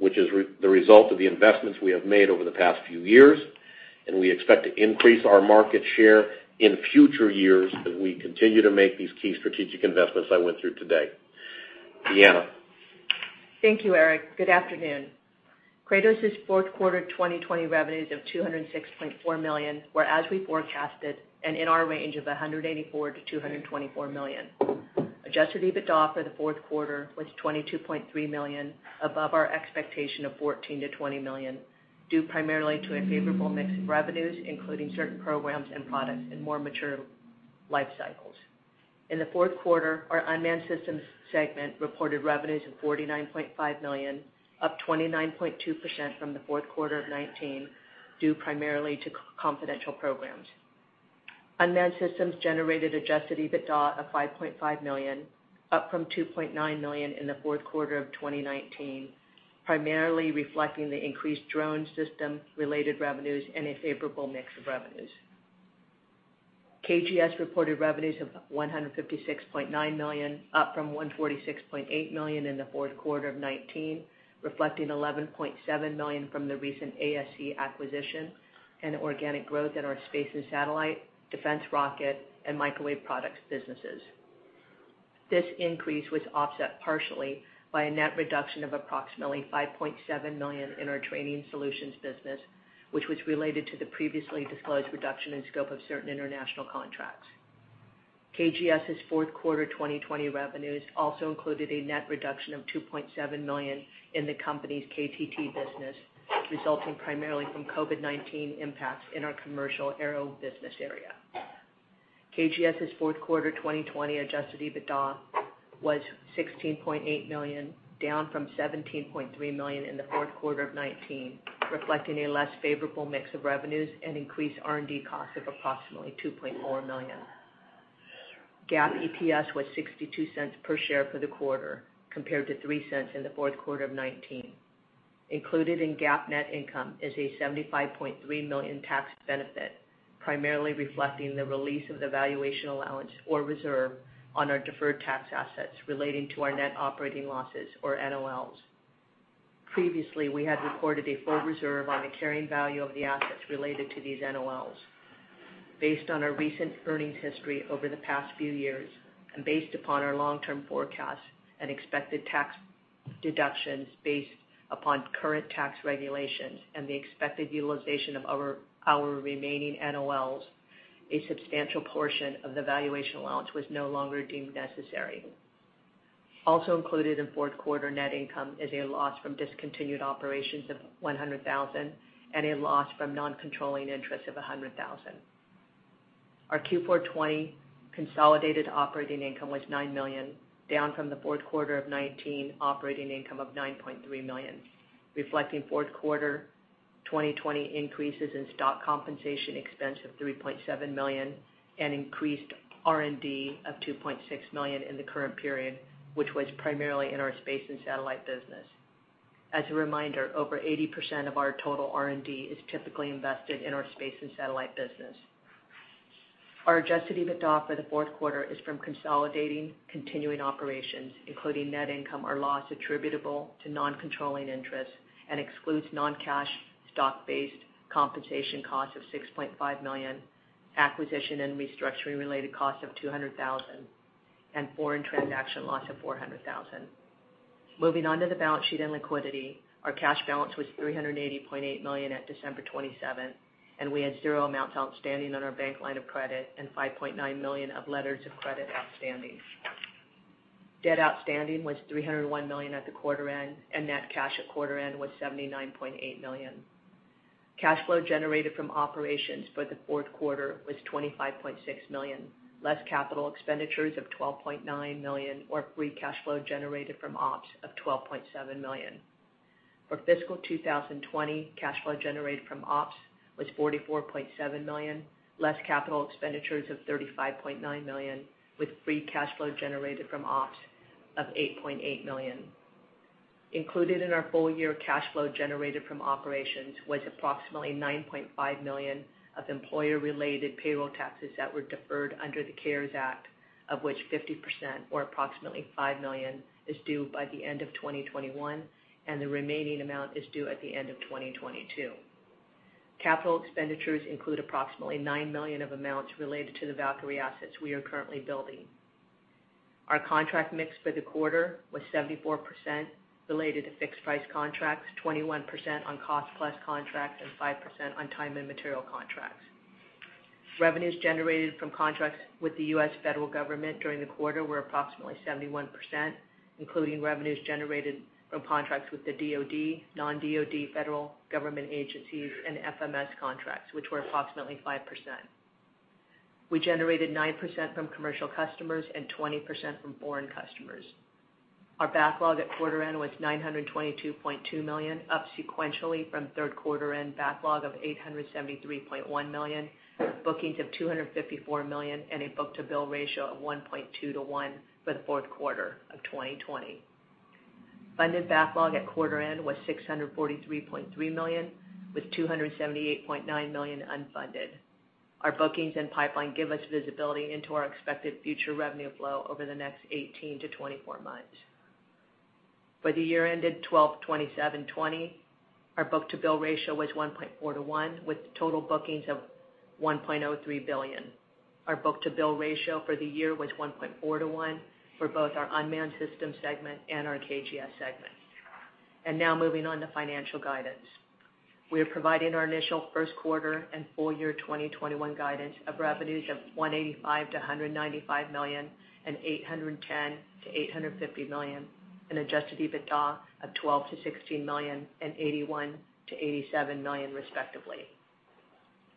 which is the result of the investments we have made over the past few years. We expect to increase our market share in future years as we continue to make these key strategic investments I went through today, Deanna. Thank you, Eric. Good afternoon. Kratos' fourth quarter 2020 revenues of $206.4 million were as we forecasted and in our range of $184 million-$224 million. Adjusted EBITDA for the fourth quarter was $22.3 million, above our expectation of $14 million-$20 million, due primarily to a favorable mix of revenues, including certain programs and products in more mature life cycles. In the fourth quarter, our unmanned systems segment reported revenues of $49.5 million, up 29.2% from the fourth quarter of 2019, due primarily to confidential programs. Unmanned systems generated adjusted EBITDA of $5.5 million, up from $2.9 million in the fourth quarter of 2019, primarily reflecting the increased drone system related revenues and a favorable mix of revenues. KGS reported revenues of $156.9 million, up from $146.8 million in the fourth quarter of 2019, reflecting $11.7 million from the recent ASC Signal acquisition and organic growth in our Space and Satellite, Defense Rocket, and Microwave products businesses. This increase was offset partially by a net reduction of approximately $5.7 million in our Training Solutions business, which was related to the previously disclosed reduction in scope of certain international contracts. KGS' fourth quarter 2020 revenues also included a net reduction of $2.7 million in the company's KTT business, resulting primarily from COVID-19 impacts in our Commercial Aero business area. KGS' fourth quarter 2020 adjusted EBITDA was $16.8 million, down from $17.3 million in the fourth quarter of 2019, reflecting a less favorable mix of revenues and increased R&D costs of approximately $2.4 million. GAAP EPS was $0.62 per share for the quarter, compared to $0.03 in the fourth quarter of 2019. Included in GAAP net income is a $75.3 million tax benefit, primarily reflecting the release of the valuation allowance or reserve on our deferred tax assets relating to our Net Operating Losses, or NOLs. Previously, we had recorded a full reserve on the carrying value of the assets related to these NOLs. Based on our recent earnings history over the past few years, and based upon our long-term forecast and expected tax deductions based upon current tax regulations and the expected utilization of our remaining NOLs, a substantial portion of the valuation allowance was no longer deemed necessary. Also included in fourth quarter net income is a loss from discontinued operations of $100,000 and a loss from non-controlling interest of $100,000. Our Q4 2020 consolidated operating income was $9 million, down from the fourth quarter of 2019 operating income of $9.3 million, reflecting fourth quarter 2020 increases in stock compensation expense of $3.7 million and increased R&D of $2.6 million in the current period, which was primarily in our Space and Satellite business. As a reminder, over 80% of our total R&D is typically invested in our Space and Satellite business. Our adjusted EBITDA for the fourth quarter is from consolidating continuing operations, including net income or loss attributable to non-controlling interests and excludes non-cash stock-based compensation costs of $6.5 million, acquisition and restructuring related costs of $200,000, and foreign transaction loss of $400,000. Moving on to the balance sheet and liquidity. Our cash balance was $380.8 million at December 27th, and we had zero amounts outstanding on our bank line of credit and $5.9 million of letters of credit outstanding. Debt outstanding was $301 million at the quarter end, and net cash at quarter end was $79.8 million. Cash flow generated from operations for the fourth quarter was $25.6 million, less capital expenditures of $12.9 million or free cash flow generated from ops of $12.7 million. For fiscal 2020, cash flow generated from ops was $44.7 million, less capital expenditures of $35.9 million, with free cash flow generated from ops of $8.8 million. Included in our full year cash flow generated from operations was approximately $9.5 million of employer-related payroll taxes that were deferred under the CARES Act, of which 50%, or approximately $5 million, is due by the end of 2021, and the remaining amount is due at the end of 2022. Capital expenditures include approximately $9 million of amounts related to the Valkyrie assets we are currently building. Our contract mix for the quarter was 74% related to fixed price contracts, 21% on cost plus contracts, and 5% on time and material contracts. Revenues generated from contracts with the U.S. federal government during the quarter were approximately 71%, including revenues generated from contracts with the DoD, non-DoD federal government agencies, and FMS contracts, which were approximately 5%. We generated 9% from commercial customers and 20% from foreign customers. Our backlog at quarter end was $922.2 million, up sequentially from third quarter end backlog of $873.1 million. Bookings of $254 million, and a book-to-bill ratio of 1.2:1 for the fourth quarter of 2020. Funded backlog at quarter end was $643.3 million, with $278.9 million unfunded. Our bookings and pipeline give us visibility into our expected future revenue flow over the next 18 to 24 months. For the year ended 12/27/2020, our book-to-bill ratio was 1.4:1, with total bookings of $1.03 billion. Our book-to-bill ratio for the year was 1.4:1 for both our unmanned systems segment and our KGS segment. Now moving on to financial guidance. We are providing our initial first quarter and full year 2021 guidance of revenues of $185 million-$195 million and $810 million-$850 million, an adjusted EBITDA of $12 million-$16 million and $81 million-$87 million respectively.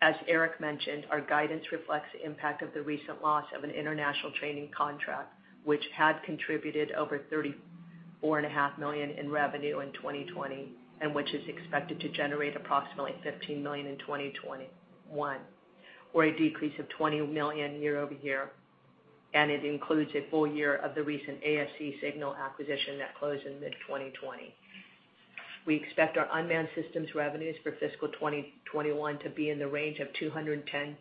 As Eric mentioned, our guidance reflects the impact of the recent loss of an international training contract, which had contributed over $34.5 million in revenue in 2020, and which is expected to generate approximately $15 million in 2021, or a decrease of $20 million year-over-year. It includes a full year of the recent ASC Signal acquisition that closed in mid-2020. We expect our unmanned systems revenues for fiscal 2021 to be in the range of $210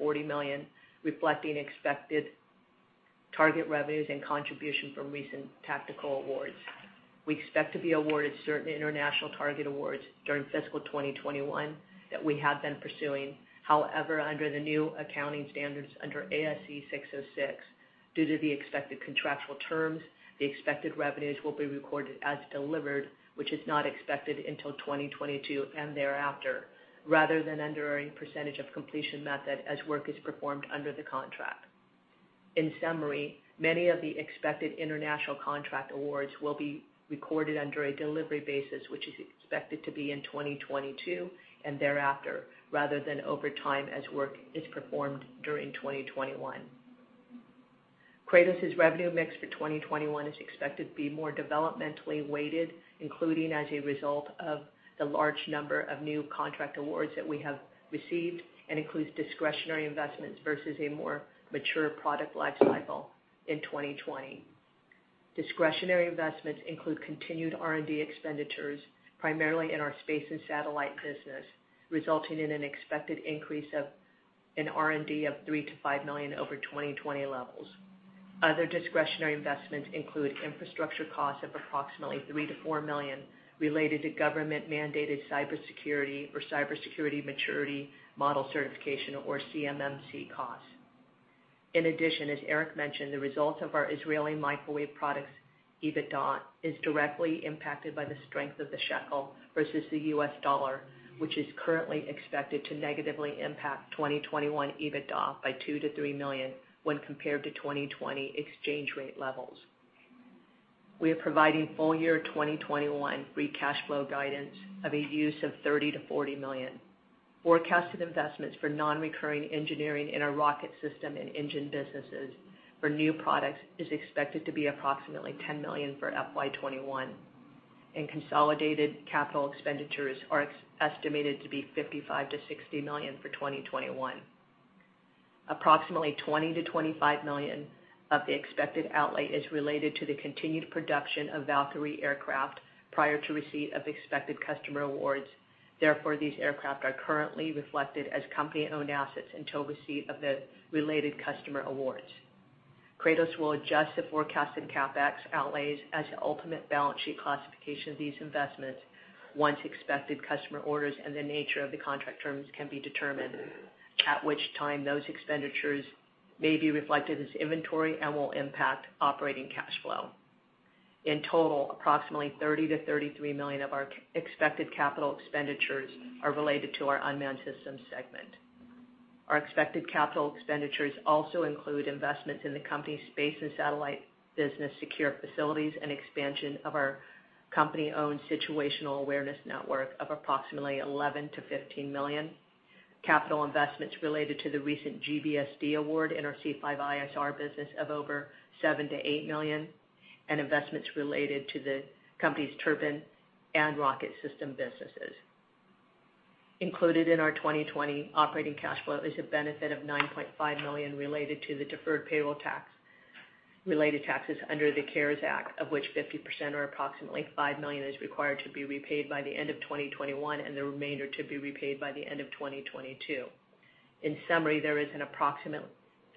million-$240 million, reflecting expected target revenues and contribution from recent tactical awards. We expect to be awarded certain international target awards during fiscal 2021 that we have been pursuing. Under the new accounting standards under ASC 606, due to the expected contractual terms, the expected revenues will be recorded as delivered, which is not expected until 2022 and thereafter, rather than under a percentage of completion method as work is performed under the contract. Many of the expected international contract awards will be recorded under a delivery basis, which is expected to be in 2022 and thereafter, rather than over time as work is performed during 2021. Kratos's revenue mix for 2021 is expected to be more developmentally weighted, including as a result of the large number of new contract awards that we have received and includes discretionary investments versus a more mature product life cycle in 2020. Discretionary investments include continued R&D expenditures, primarily in our Space and Satellite business, resulting in an expected increase in R&D of $3 million-$5 million over 2020 levels. Other discretionary investments include infrastructure costs of approximately $3 million-$4 million related to government-mandated cybersecurity or Cybersecurity Maturity Model Certification, or CMMC costs. As Eric mentioned, the results of our Israeli microwave products EBITDA is directly impacted by the strength of the shekel versus the U.S. dollar, which is currently expected to negatively impact 2021 EBITDA by $2 million-$3 million when compared to 2020 exchange rate levels. We are providing full-year 2021 free cash flow guidance of a use of $30 million-$40 million. Forecasted investments for non-recurring engineering in our Rocket System and Engine businesses for new products is expected to be approximately $10 million for FY 2021. Consolidated capital expenditures are estimated to be $55 million-$60 million for 2021. Approximately $20 million-$25 million of the expected outlay is related to the continued production of Valkyrie aircraft prior to receipt of expected customer awards. Therefore, these aircraft are currently reflected as company-owned assets until receipt of the related customer awards. Kratos will adjust the forecasted CapEx outlays as to ultimate balance sheet classification of these investments once expected customer orders and the nature of the contract terms can be determined, at which time those expenditures may be reflected as inventory and will impact operating cash flow. In total, approximately $30 million-$33 million of our expected capital expenditures are related to our Unmanned Systems segment. Our expected capital expenditures also include investments in the company's Space and Satellite business secure facilities and expansion of our company-owned situational awareness network of approximately $11 million-$15 million. Capital investments related to the recent GBSD award in our C5ISR business of over $7 million-$8 million, and investments related to the company's Turbine and Rocket System businesses. Included in our 2020 operating cash flow is a benefit of $9.5 million related to the deferred payroll tax, related taxes under the CARES Act, of which 50%, or approximately $5 million, is required to be repaid by the end of 2021, and the remainder to be repaid by the end of 2022. In summary, there is an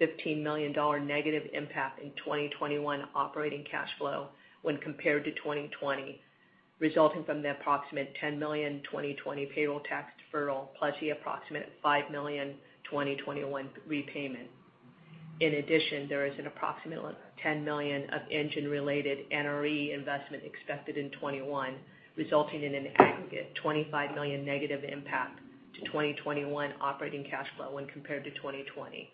approximate $15 million negative impact in 2021 operating cash flow when compared to 2020, resulting from the approximate $10 million 2020 payroll tax deferral, plus the approximate $5 million 2021 repayment. In addition, there is an approximate $10 million of engine-related NRE investment expected in 2021, resulting in an aggregate $25 million negative impact to 2021 operating cash flow when compared to 2020.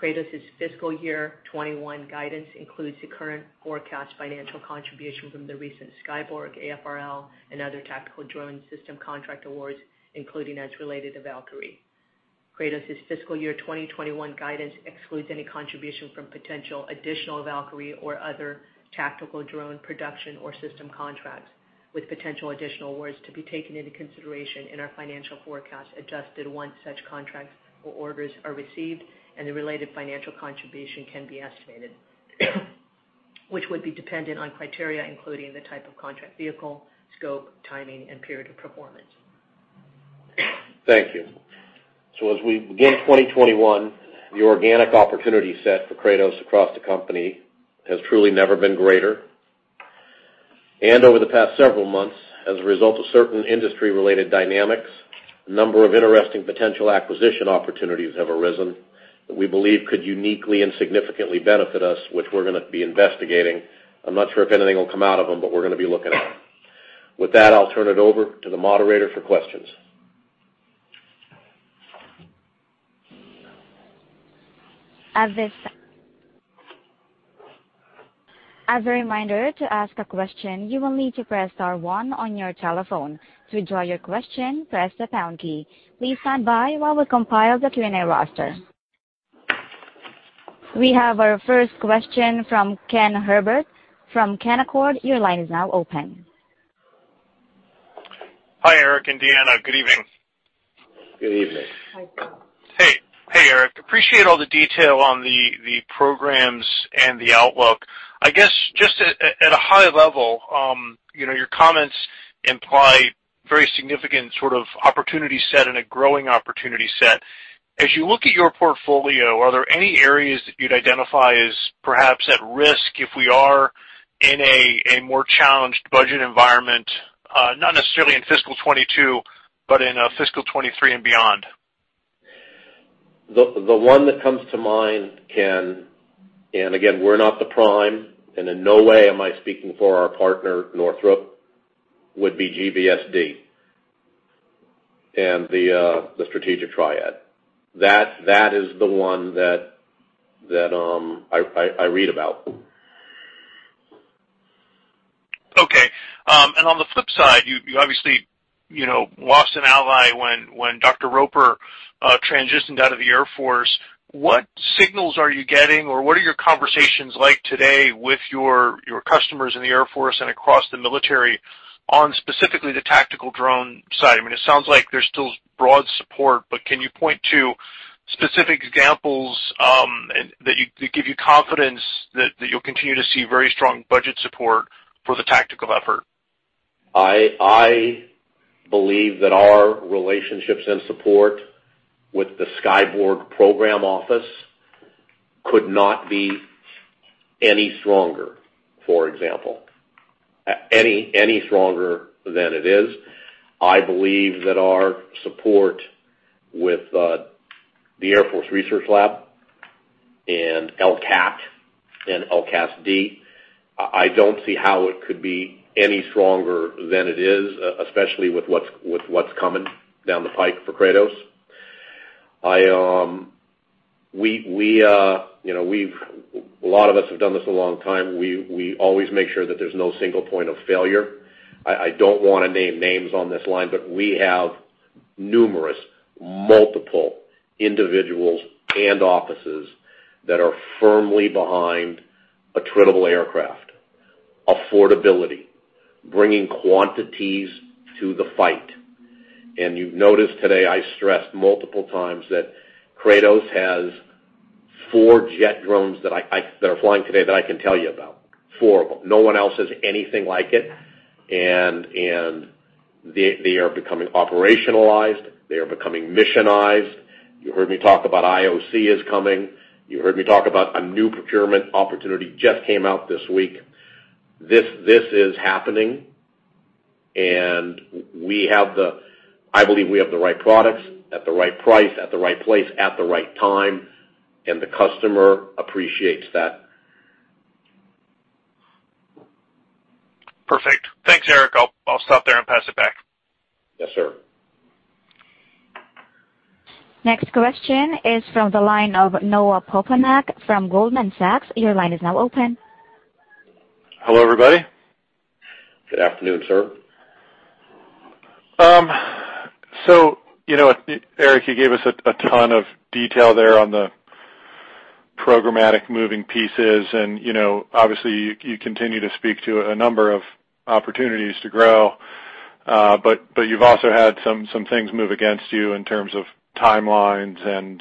Kratos' fiscal year 2021 guidance includes the current forecast financial contribution from the recent Skyborg, AFRL, and other tactical drone system contract awards, including as related to Valkyrie. Kratos' fiscal year 2021 guidance excludes any contribution from potential additional Valkyrie or other tactical drone production or system contracts, with potential additional awards to be taken into consideration in our financial forecast adjusted once such contracts or orders are received and the related financial contribution can be estimated, which would be dependent on criteria including the type of contract vehicle, scope, timing, and period of performance. Thank you. As we begin 2021, the organic opportunity set for Kratos across the company has truly never been greater. Over the past several months, as a result of certain industry-related dynamics, a number of interesting potential acquisition opportunities have arisen that we believe could uniquely and significantly benefit us, which we're gonna be investigating. I'm not sure if anything will come out of them, but we're gonna be looking at them. With that, I'll turn it over to the moderator for questions. We have our first question from Ken Herbert from Canaccord. Your line is now open. Hi, Eric and Deanna. Good evening. Good evening. Hi. Hey. Hey, Eric. Appreciate all the detail on the programs and the outlook. I guess, just at a high level, your comments imply very significant sort of opportunity set and a growing opportunity set. As you look at your portfolio, are there any areas that you'd identify as perhaps at risk if we are in a more challenged budget environment, not necessarily in fiscal 2022, but in fiscal 2023 and beyond? The one that comes to mind, Ken, again, we're not the prime, and in no way am I speaking for our partner, Northrop, would be GBSD. The strategic triad. That is the one that I read about. Okay. On the flip side, you obviously lost an ally when Dr. Roper transitioned out of the Air Force. What signals are you getting, or what are your conversations like today with your customers in the Air Force and across the military on specifically the tactical drone side? It sounds like there's still broad support. Can you point to specific examples that give you confidence that you'll continue to see very strong budget support for the tactical effort? I believe that our relationships and support with the Skyborg program office could not be any stronger than it is. I believe that our support with the Air Force Research Laboratory and LCAAT and LCASD, I don't see how it could be any stronger than it is, especially with what's coming down the pipe for Kratos. A lot of us have done this a long time. We always make sure that there's no single point of failure. I don't want to name names on this line, but we have numerous, multiple individuals and offices that are firmly behind attritable aircraft, affordability, bringing quantities to the fight. You've noticed today, I stressed multiple times that Kratos has four jet drones that are flying today that I can tell you about. Four of them. No one else has anything like it. They are becoming operationalized. They are becoming missionized. You heard me talk about IOC is coming. You heard me talk about a new procurement opportunity just came out this week. This is happening. I believe we have the right products at the right price, at the right place, at the right time, and the customer appreciates that. Perfect. Thanks, Eric. I'll stop there and pass it back. Yes, sir. Next question is from the line of Noah Poponak from Goldman Sachs. Your line is now open. Hello, everybody. Good afternoon, sir. Eric, you gave us a ton of detail there on the programmatic moving pieces, and obviously, you continue to speak to a number of opportunities to grow. You've also had some things move against you in terms of timelines and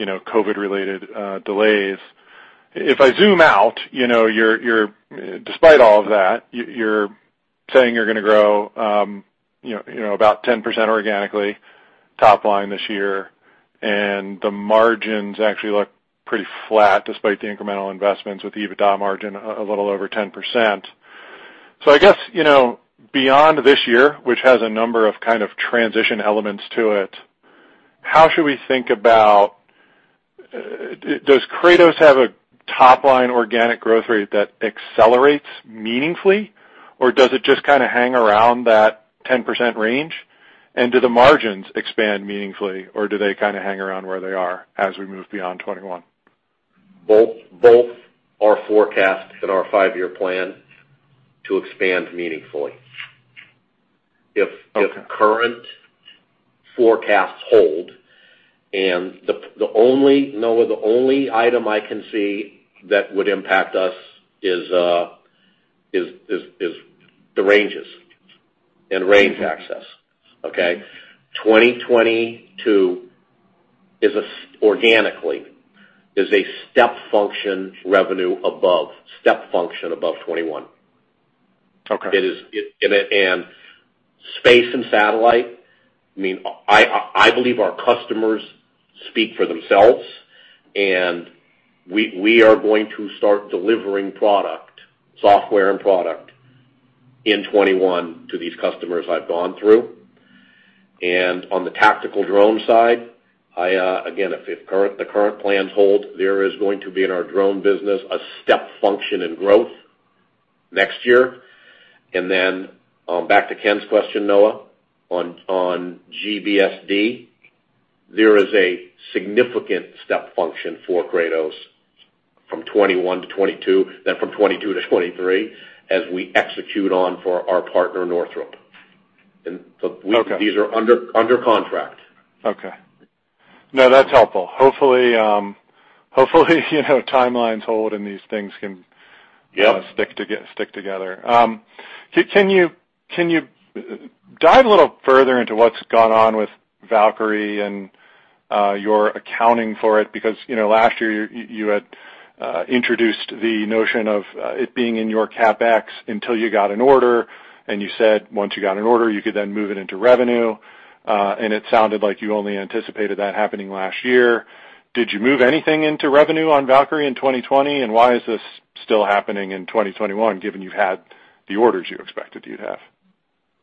COVID related delays. If I zoom out, despite all of that, you're saying you're gonna grow about 10% organically top line this year, and the margins actually look pretty flat despite the incremental investments, with the EBITDA margin a little over 10%. I guess, beyond this year, which has a number of kind of transition elements to it, how should we think about, does Kratos have a top-line organic growth rate that accelerates meaningfully? Or does it just kind of hang around that 10% range? And do the margins expand meaningfully, or do they kind of hang around where they are as we move beyond 2021? Both are forecast in our five-year plan to expand meaningfully. Okay. If current forecasts hold, Noah, the only item I can see that would impact us is the ranges and range access. Okay. 2022, organically, is a step function revenue above, step function above 2021. Okay. Space and satellite, I believe our customers speak for themselves, and we are going to start delivering product, software and product, in 2021 to these customers I've gone through. On the tactical drone side, again, if the current plans hold, there is going to be, in our Drone business, a step function in growth next year. Then back to Ken's question, Noah, on GBSD, there is a significant step function for Kratos from 2021 to 2022, then from 2022 to 2023, as we execute on for our partner, Northrop. Okay. These are under contract. Okay. No, that's helpful. Hopefully timelines hold and these things can stick together. Yep. Can you dive a little further into what's gone on with Valkyrie and your accounting for it? Last year, you had introduced the notion of it being in your CapEx until you got an order, and you said once you got an order, you could then move it into revenue. It sounded like you only anticipated that happening last year. Did you move anything into revenue on Valkyrie in 2020? Why is this still happening in 2021, given you had the orders you expected you'd have?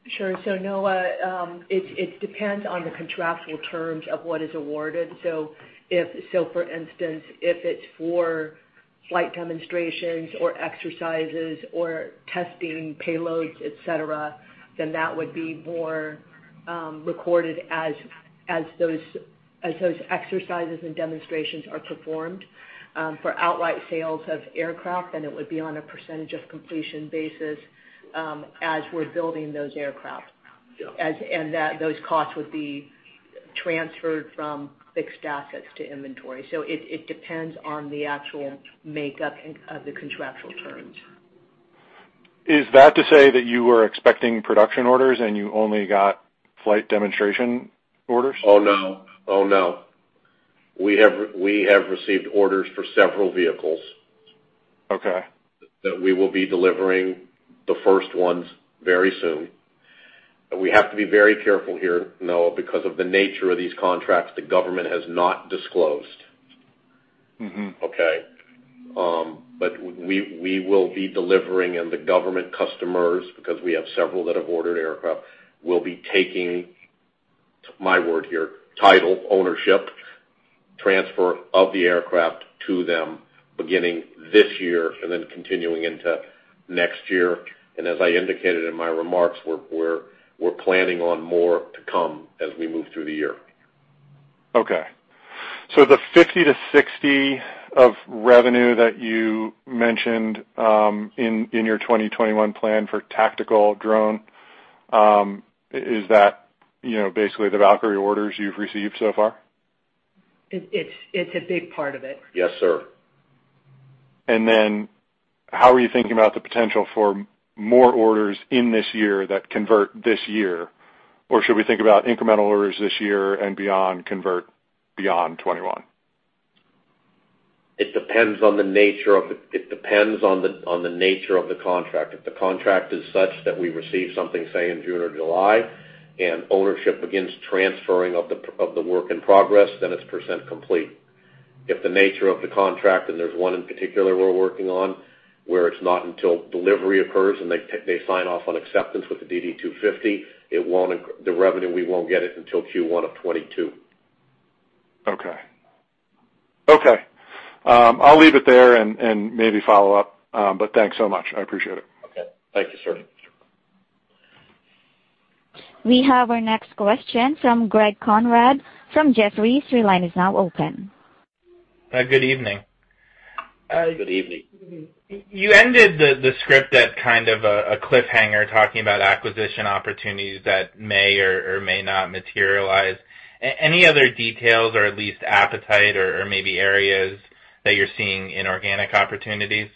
Sure. Noah, it depends on the contractual terms of what is awarded. For instance, if it's for flight demonstrations or exercises or testing payloads, et cetera, then that would be more recorded as those exercises and demonstrations are performed. For outright sales of aircraft, then it would be on a percentage of completion basis as we're building those aircraft. Yeah. Those costs would be transferred from fixed assets to inventory. It depends on the actual makeup of the contractual terms. Is that to say that you were expecting production orders and you only got flight demonstration orders? Oh, no. We have received orders for several vehicles. Okay. That we will be delivering the first ones very soon. We have to be very careful here, Noah, because of the nature of these contracts the government has not disclosed. Okay. We will be delivering, and the government customers, because we have several that have ordered aircraft, will be taking, my word here, title ownership transfer of the aircraft to them beginning this year and then continuing into next year. As I indicated in my remarks, we're planning on more to come as we move through the year. Okay. The $50 million-$60 million of revenue that you mentioned in your 2021 plan for tactical drone, is that basically the Valkyrie orders you've received so far? It's a big part of it. Yes, sir. How are you thinking about the potential for more orders in this year that convert this year? Should we think about incremental orders this year and beyond convert beyond 2021? It depends on the nature of the contract. If the contract is such that we receive something, say, in June or July, and ownership begins transferring of the work in progress, then it's percent complete. If the nature of the contract, and there's one in particular we're working on, where it's not until delivery occurs and they sign off on acceptance with the DD 250, the revenue, we won't get it until Q1 of 2022. Okay. I'll leave it there and maybe follow up. Thanks so much. I appreciate it. Okay. Thank you, sir. We have our next question from Greg Konrad from Jefferies. Your line is now open. Good evening. Good evening. Good evening. You ended the script at kind of a cliffhanger, talking about acquisition opportunities that may or may not materialize. Any other details or at least appetite or maybe areas that you're seeing in organic opportunities?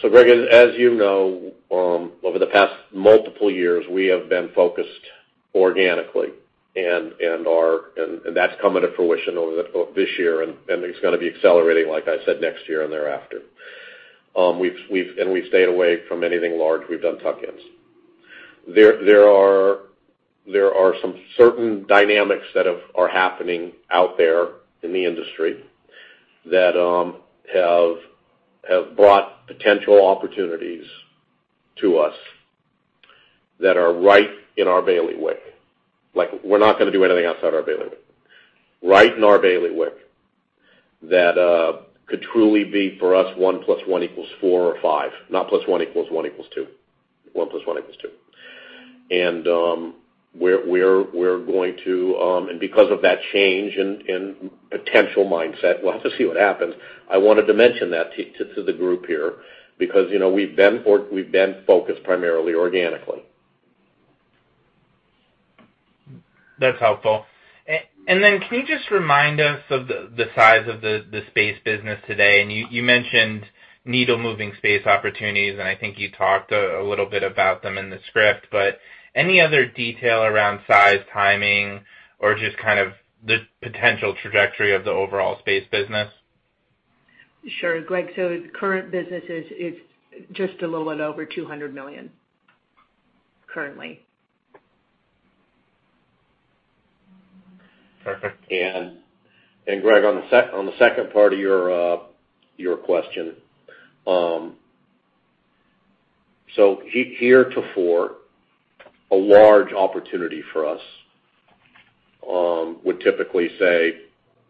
Greg, as you know, over the past multiple years, we have been focused organically. That's coming to fruition over this year, and it's going to be accelerating, like I said, next year and thereafter. We've stayed away from anything large. We've done tuck-ins. There are some certain dynamics that are happening out there in the industry that have brought potential opportunities to us that are right in our bailiwick. We're not going to do anything outside our bailiwick. Right in our bailiwick that could truly be for us one plus one equals four or five, not one plus one equals two. Because of that change in potential mindset, we'll have to see what happens. I wanted to mention that to the group here, because we've been focused primarily organically. That's helpful. Can you just remind us of the size of the Space business today? You mentioned needle-moving space opportunities, and I think you talked a little bit about them in the script, but any other detail around size, timing, or just kind of the potential trajectory of the overall Space business? Sure, Greg, the current business is just a little over $200 million currently. Perfect. Greg, on the second part of your question. Heretofore, a large opportunity for us would typically, say,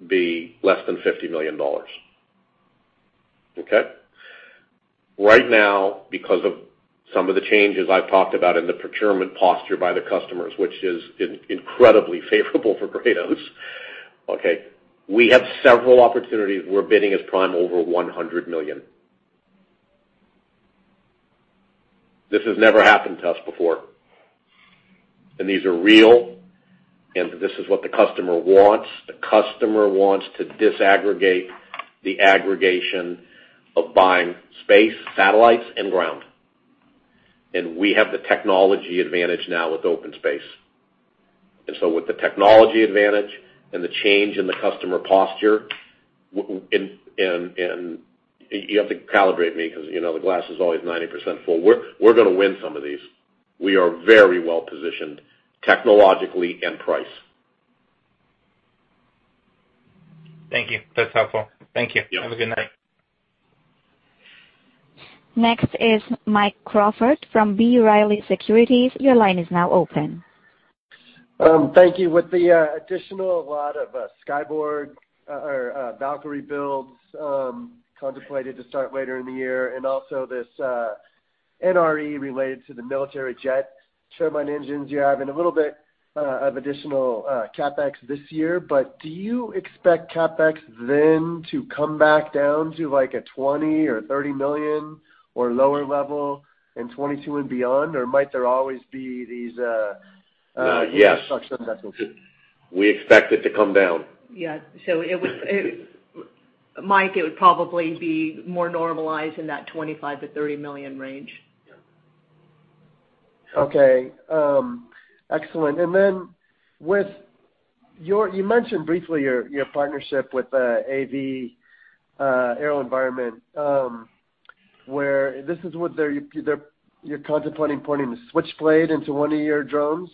be less than $50 million. Okay. Right now, because of some of the changes I've talked about in the procurement posture by the customers, which is incredibly favorable for Kratos, okay, we have several opportunities we're bidding as prime over $100 million. This has never happened to us before. These are real, and this is what the customer wants. The customer wants to disaggregate the aggregation of buying space, satellites, and ground. We have the technology advantage now with OpenSpace. With the technology advantage and the change in the customer posture, and you have to calibrate me because the glass is always 90% full. We're going to win some of these. We are very well positioned technologically and price. Thank you. That's helpful. Thank you. Yeah. Have a good night. Next is Mike Crawford from B. Riley Securities. Your line is now open. Thank you. With the additional lot of Skyborg or Valkyrie builds contemplated to start later in the year, and also this NRE related to the military jet turbine engines, you have a little bit of additional CapEx this year. Do you expect CapEx then to come back down to like a $20 million or $30 million or lower level in 2022 and beyond? Might there always be these- Yes. ...structures that will keep? We expect it to come down. Yeah. Mike, it would probably be more normalized in that $25 million-$30 million range. Okay. Excellent. You mentioned briefly your partnership with AeroVironment this is what you're contemplating putting the Switchblade into one of your drones?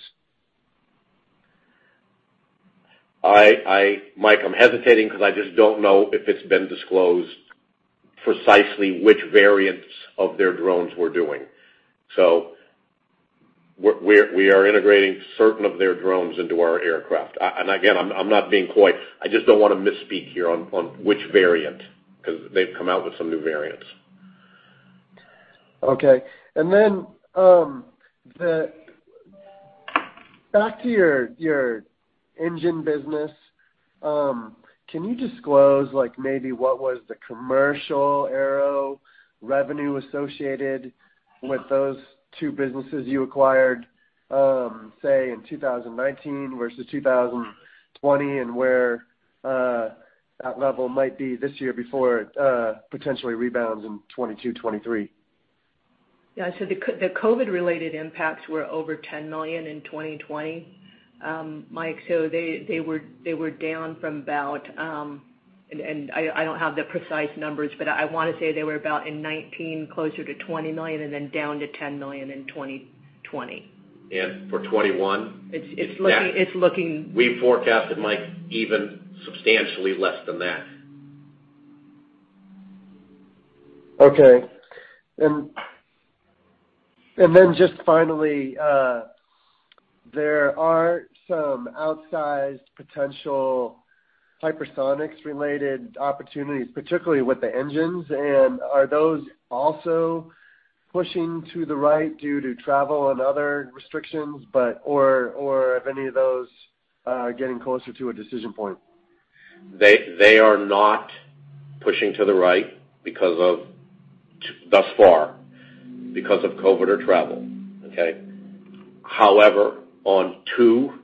Mike, I'm hesitating because I just don't know if it's been disclosed precisely which variants of their drones we're doing. We are integrating certain of their drones into our aircraft. Again, I'm not being coy. I just don't want to misspeak here on which variant, because they've come out with some new variants. Okay. Back to your Engine business. Can you disclose maybe what was the Commercial Aero revenue associated with those two businesses you acquired, say, in 2019 versus 2020, and where that level might be this year before it potentially rebounds in 2022, 2023? Yeah. The COVID related impacts were over $10 million in 2020, Mike. They were down from about, and I don't have the precise numbers, but I want to say they were about, in 2019, closer to $20 million, and then down to $10 million in 2020. For 2021? It's looking- We forecasted, Mike, even substantially less than that. Okay. Just finally, there are some outsized potential hypersonics related opportunities, particularly with the engines. Are those also pushing to the right due to travel and other restrictions? Have any of those getting closer to a decision point? They are not pushing to the right thus far because of COVID or travel. Okay. However, on two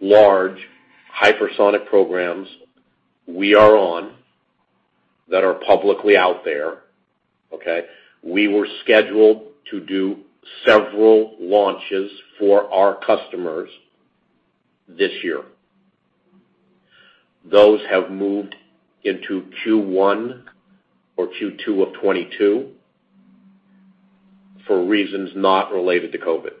large hypersonic programs we are on that are publicly out there, okay. We were scheduled to do several launches for our customers this year. Those have moved into Q1 or Q2 of 2022 for reasons not related to COVID.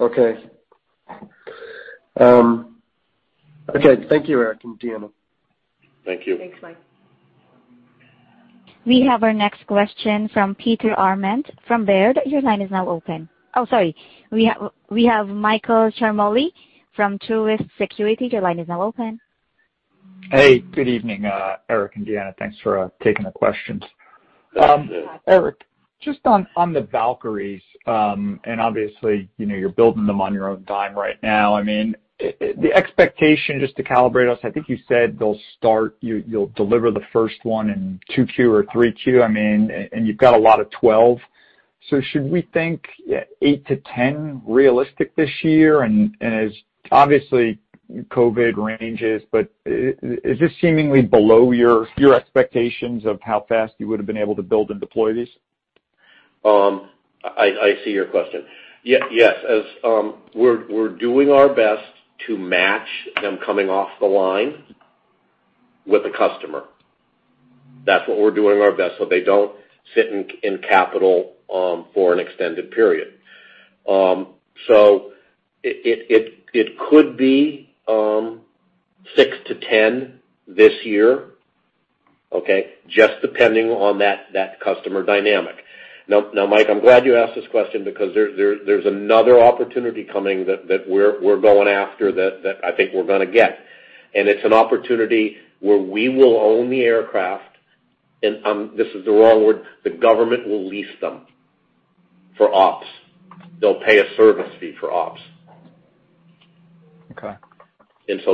Okay. Thank you, Eric and Deanna. Thank you. Thanks, Mike. We have our next question from Peter Arment from Baird. Your line is now open. Oh, sorry. We have Michael Ciarmoli from Truist Securities. Your line is now open. Hey, good evening, Eric and Deanna. Thanks for taking the questions. Eric, just on the Valkyries, I mean, obviously, you're building them on your own dime right now. I mean, the expectation, just to calibrate us, I think you said they'll start, you'll deliver the first one in 2Q or 3Q. I mean, you've got a lot of 12. Should we think 8-10 realistic this year? As obviously COVID ranges, is this seemingly below your expectations of how fast you would've been able to build and deploy these? I see your question. Yes. We're doing our best to match them coming off the line with a customer. That's what we're doing our best so they don't sit in capital for an extended period. It could be 6-10 this year, okay, just depending on that customer dynamic. Mike, I'm glad you asked this question because there's another opportunity coming that we're going after that I think we're going to get. It's an opportunity where we will own the aircraft, and this is the wrong word, the government will lease them for ops. They'll pay a service fee for ops. Okay.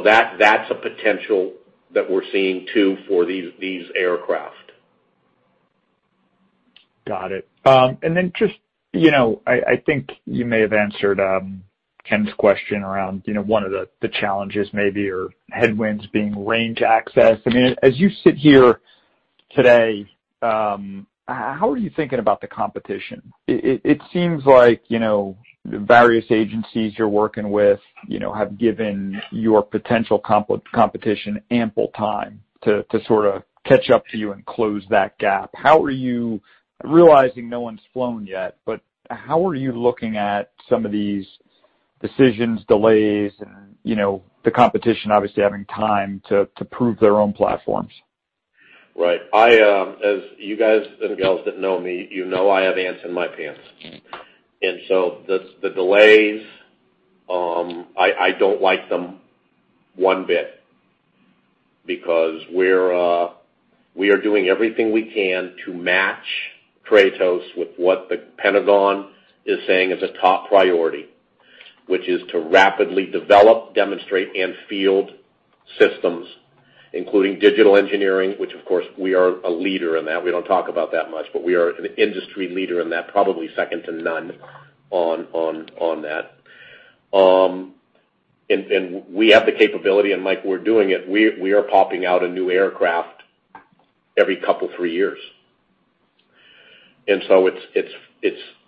That's a potential that we're seeing, too, for these aircraft. Got it. Then just, I think you may have answered Ken's question around one of the challenges maybe or headwinds being range access. I mean, as you sit here today, how are you thinking about the competition? It seems like, the various agencies you're working with have given your potential competition ample time to sort of catch up to you and close that gap. How are you, realizing no one's flown yet, how are you looking at some of these decisions, delays, and the competition obviously having time to prove their own platforms? Right. As you guys and gals that know me, you know I have ants in my pants. The delays, I don't like them one bit because we are doing everything we can to match Kratos with what The Pentagon is saying is a top priority. Which is to rapidly develop, demonstrate, and field systems, including digital engineering, which of course we are a leader in that. We don't talk about that much, but we are an industry leader in that, probably second to none on that. We have the capability, and Mike, we're doing it. We are popping out a new aircraft every couple, three years.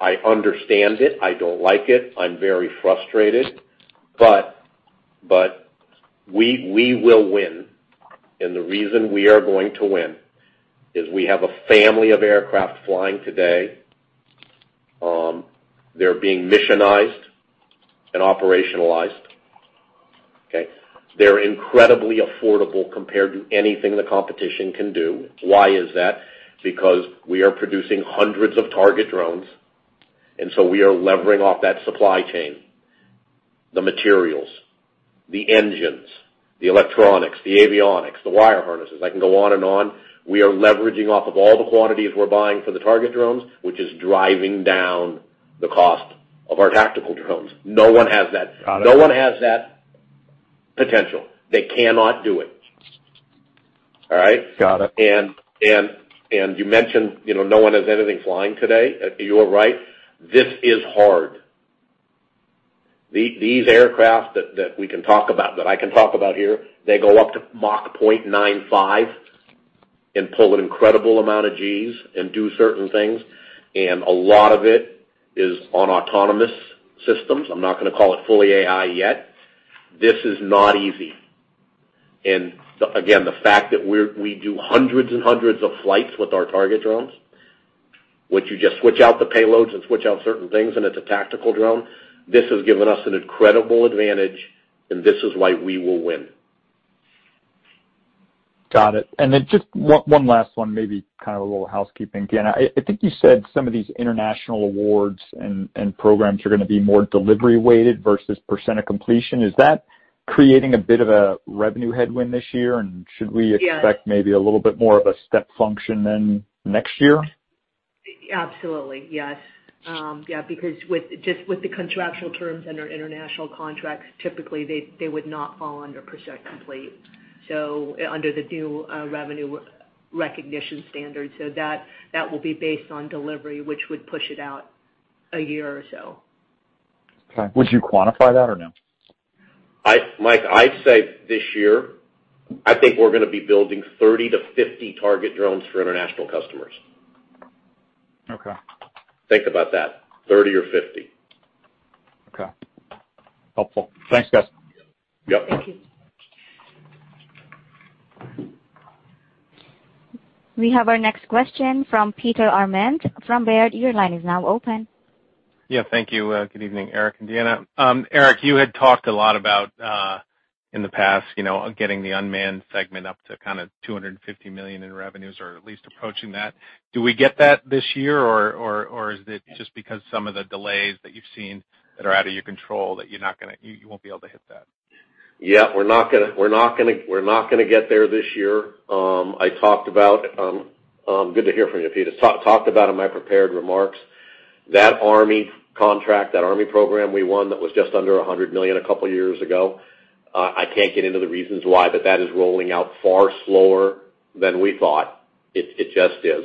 I understand it. I don't like it. I'm very frustrated, but we will win. The reason we are going to win is we have a family of aircraft flying today. They're being missionized and operationalized. Okay. They're incredibly affordable compared to anything the competition can do. Why is that? Because we are producing hundreds of target drones. We are levering off that supply chain, the materials, the engines, the electronics, the avionics, the wire harnesses. I can go on and on. We are leveraging off of all the quantities we're buying for the target drones, which is driving down the cost of our tactical drones. No one has that. Got it. No one has that potential. They cannot do it. All right? Got it. You mentioned, no one has anything flying today. You are right. This is hard. These aircraft that we can talk about, that I can talk about here, they go up to Mach 0.95 and pull an incredible amount of Gs and do certain things, and a lot of it is on autonomous systems. I'm not going to call it fully AI yet. This is not easy. Again, the fact that we do hundreds and hundreds of flights with our target drones, which you just switch out the payloads and switch out certain things, and it's a tactical drone. This has given us an incredible advantage, and this is why we will win. Got it. Just one last one, maybe kind of a little housekeeping. Deanna, I think you said some of these international awards and programs are going to be more delivery weighted versus percent of completion. Is that creating a bit of a revenue headwind this year? Yes. Should we expect maybe a little bit more of a step function then next year? Absolutely, yes. With the contractual terms under international contracts, typically, they would not fall under percent complete. Under the new revenue recognition standard, that will be based on delivery, which would push it out a year or so. Okay. Would you quantify that or no? Mike, I'd say this year, I think we're going to be building 30-50 target drones for international customers. Okay. Think about that, 30 or 50. Okay. Helpful. Thanks, guys. Yep. Thank you. We have our next question from Peter Arment from Baird. Your line is now open. Yeah, thank you. Good evening, Eric and Deanna. Eric, you had talked a lot about, in the past, getting the unmanned segment up to kind of $250 million in revenues or at least approaching that. Do we get that this year, or is it just because some of the delays that you've seen that are out of your control, that you won't be able to hit that? Yeah. We're not going to get there this year. Good to hear from you, Peter. I talked about in my prepared remarks, that Army contract, that Army program we won, that was just under $100 million a couple of years ago. I can't get into the reasons why, but that is rolling out far slower than we thought. It just is.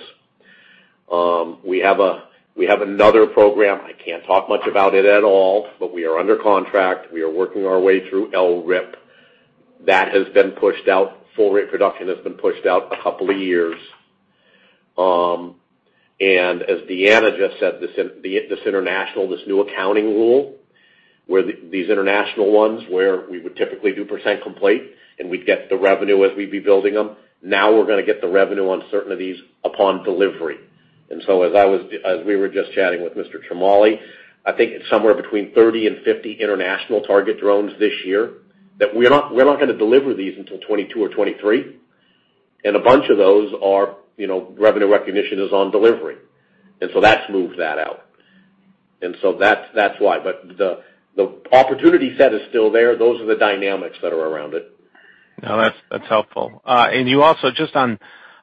We have another program. I can't talk much about it at all, but we are under contract. We are working our way through LRIP. That has been pushed out. Full rate production has been pushed out a couple of years. As Deanna just said, this international, this new accounting rule, where these international ones, where we would typically do percent complete, and we'd get the revenue as we'd be building them. Now we're going to get the revenue on certain of these upon delivery. As we were just chatting with Mr. Ciarmoli, I think it's somewhere between 30 and 50 international target drones this year, that we're not going to deliver these until 2022 or 2023. A bunch of those are revenue recognition is on delivery. That's moved that out. That's why. The opportunity set is still there. Those are the dynamics that are around it. No, that's helpful. You also, just on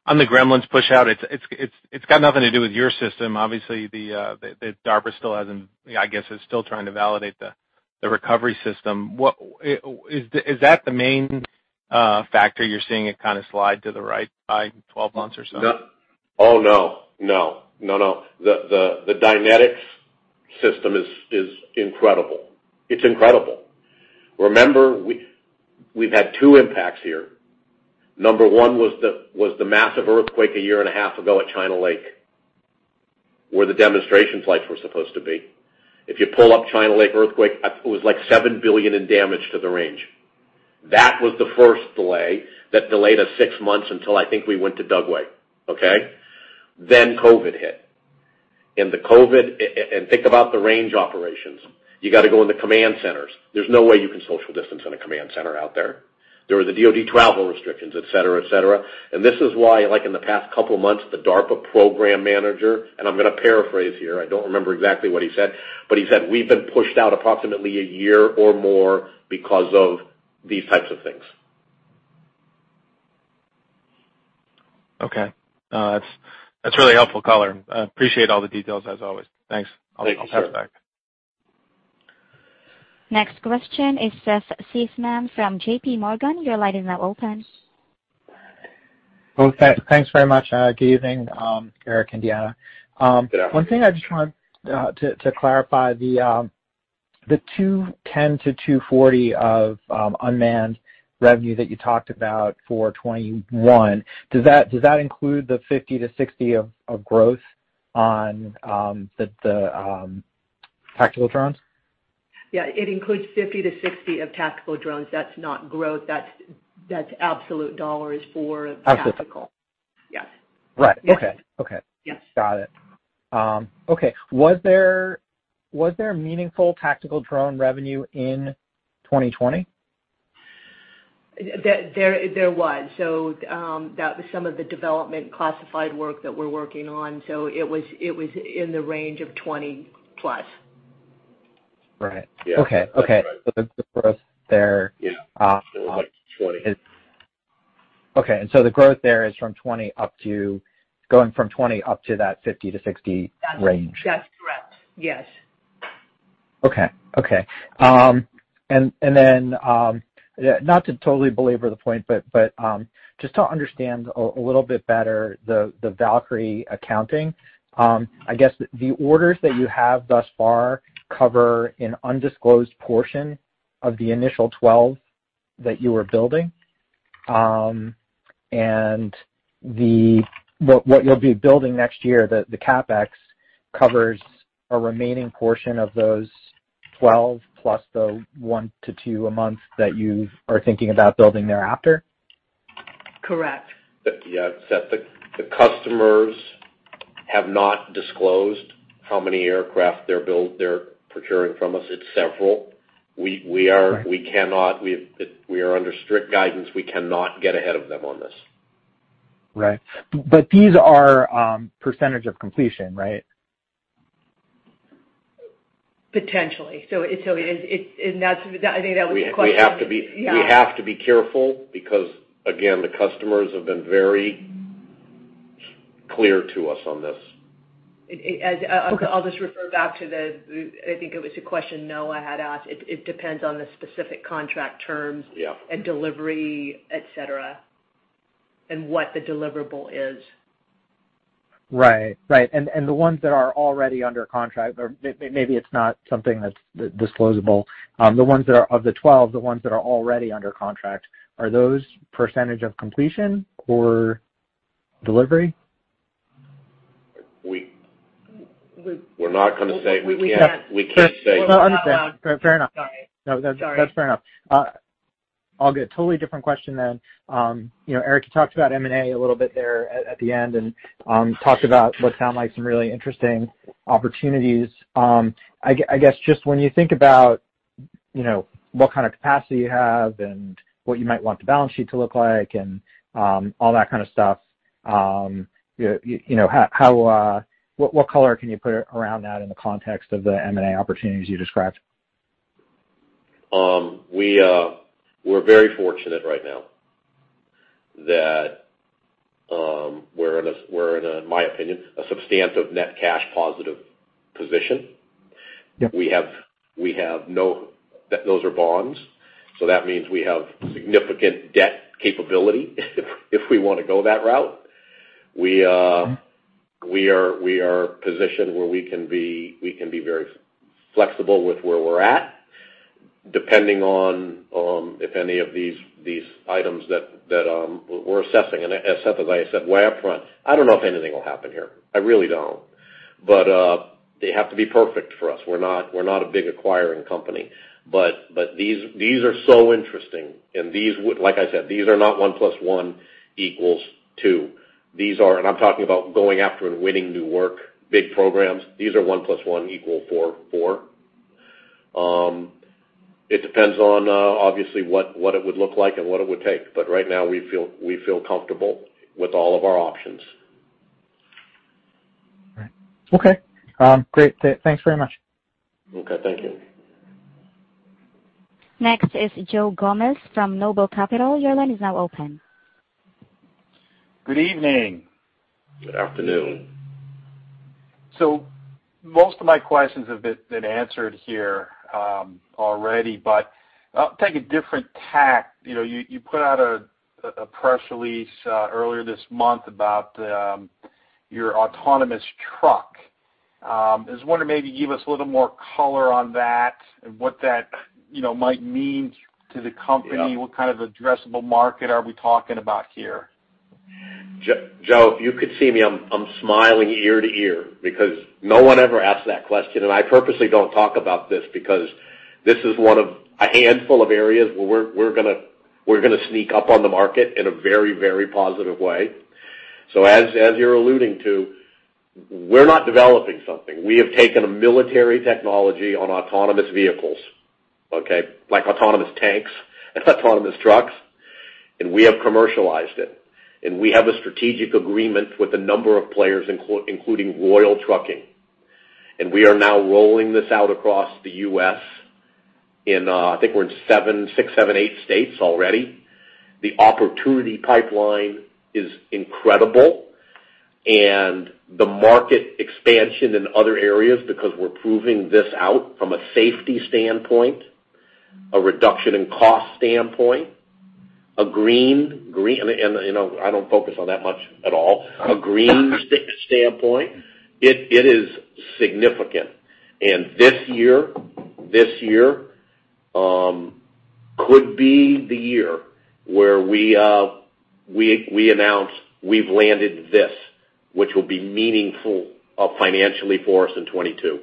the Gremlins push out, it's got nothing to do with your system. Obviously, DARPA still hasn't, I guess, is still trying to validate the recovery system. Is that the main factor you're seeing it kind of slide to the right by 12 months or so? Oh, no. The Dynetics system is incredible. It's incredible. Remember, we've had two impacts here. Number one was the massive earthquake a year and a half ago at China Lake, where the demonstration flights were supposed to be. If you pull up China Lake earthquake, it was like $7 billion in damage to the range. That was the first delay that delayed us six months until I think we went to Dugway. Okay? COVID hit. Think about the range operations. You got to go in the command centers. There's no way you can social distance in a command center out there. There was the DoD travel restrictions, et cetera. This is why, like in the past couple of months, the DARPA program manager, and I'm going to paraphrase here, I don't remember exactly what he said, but he said, "We've been pushed out approximately a year or more because of these types of things." Okay. No, that's a really helpful color. I appreciate all the details as always. Thanks. Thank you, sir. I'll pass it back. Next question is Seth Seifman from JPMorgan. Your line is now open. Thanks very much. Good evening, Eric and Deanna. Good afternoon. One thing I just wanted to clarify the $210 million-$240 million of unmanned revenue that you talked about for 2021, does that include the $50 million-$60 million of growth on the tactical drones? It includes $50 million-$60 million of tactical drones. That's not growth. That's absolute dollars. Absolute. Tactical. Yes. Right. Okay. Yes. Got it. Okay. Was there meaningful tactical drone revenue in 2020? There was. That was some of the development classified work that we're working on. It was in the range of $20 million plus. Right. Yeah. Okay. That's right. The growth there. Yeah. Like $20 million. Okay, the growth there is going from $20 million up to that $50 million-$60 million range. That's correct. Yes. Okay. Not to totally belabor the point, but just to understand a little bit better the Valkyrie accounting, I guess the orders that you have thus far cover an undisclosed portion of the initial 12 that you were building. What you'll be building next year, the CapEx, covers a remaining portion of those 12 plus the one to two a month that you are thinking about building thereafter? Correct. Yeah. The customers have not disclosed how many aircraft they're procuring from us. It's several. We are under strict guidance. We cannot get ahead of them on this. Right. These are percentage of completion, right? Potentially. I think that was the question. We have to be- Yeah. ...careful because, again, the customers have been very clear to us on this. I'll just refer back to the, I think it was a question Noah had asked. It depends on the specific contract terms- Yeah. ...delivery, et cetera, and what the deliverable is. Right. The ones that are already under contract, or maybe it's not something that's disclosable. Of the 12, the ones that are already under contract, are those percentage of completion or delivery? We're not going to say. We can't. We can't say. No, I understand. Fair enough. Sorry. No, that's fair enough. I'll get a totally different question then. Eric, you talked about M&A a little bit there at the end, and talked about what sound like some really interesting opportunities. I guess, just when you think about what kind of capacity you have and what you might want the balance sheet to look like and all that kind of stuff, what color can you put around that in the context of the M&A opportunities you described? We're very fortunate right now that we're in a, in my opinion, a substantive net cash positive position. Yep. No bonds. That means we have significant debt capability if we want to go that route. We are positioned where we can be very flexible with where we're at, depending on if any of these items that we're assessing. As I said way up front, I don't know if anything will happen here. I really don't. They have to be perfect for us. We're not a big acquiring company. These are so interesting, and these would, like I said, these are not one plus one equals two. I'm talking about going after and winning new work, big programs. These are one plus one equal four. It depends on, obviously, what it would look like and what it would take. Right now, we feel comfortable with all of our options. Right. Okay. Great. Thanks very much. Okay. Thank you. Next is Joe Gomes from Noble Capital. Your line is now open. Good evening. Good afternoon. Most of my questions have been answered here already, but I'll take a different tack. You put out a press release earlier this month about your autonomous truck. I was wondering maybe give us a little more color on that and what that might mean to the company. Yeah. What kind of addressable market are we talking about here? Joe, if you could see me, I'm smiling ear to ear because no one ever asks that question, and I purposely don't talk about this because this is one of a handful of areas where we're going to sneak up on the market in a very positive way. As you're alluding to, we're not developing something. We have taken a military technology on autonomous vehicles, okay? Like autonomous tanks and autonomous trucks, and we have commercialized it, and we have a strategic agreement with a number of players including Royal Trucking, and we are now rolling this out across the U.S. in, I think we're in six, seven, eight states already. The opportunity pipeline is incredible. The market expansion in other areas, because we're proving this out from a safety standpoint, a reduction in cost standpoint. A green I don't focus on that much at all. A green standpoint. It is significant. This year could be the year where we announce we've landed this, which will be meaningful financially for us in 2022.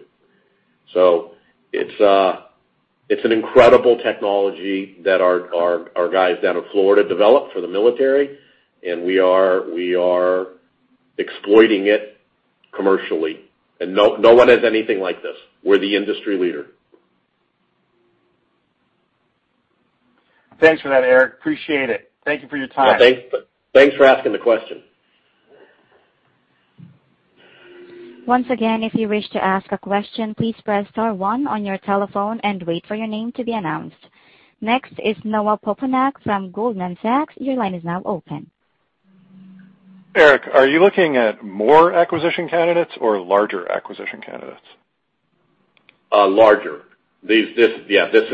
It's an incredible technology that our guys down in Florida developed for the military, and we are exploiting it commercially. No one has anything like this. We're the industry leader. Thanks for that, Eric. Appreciate it. Thank you for your time. Thanks for asking the question. Next is Noah Poponak from Goldman Sachs. Your line is now open. Eric, are you looking at more acquisition candidates or larger acquisition candidates? Larger. Good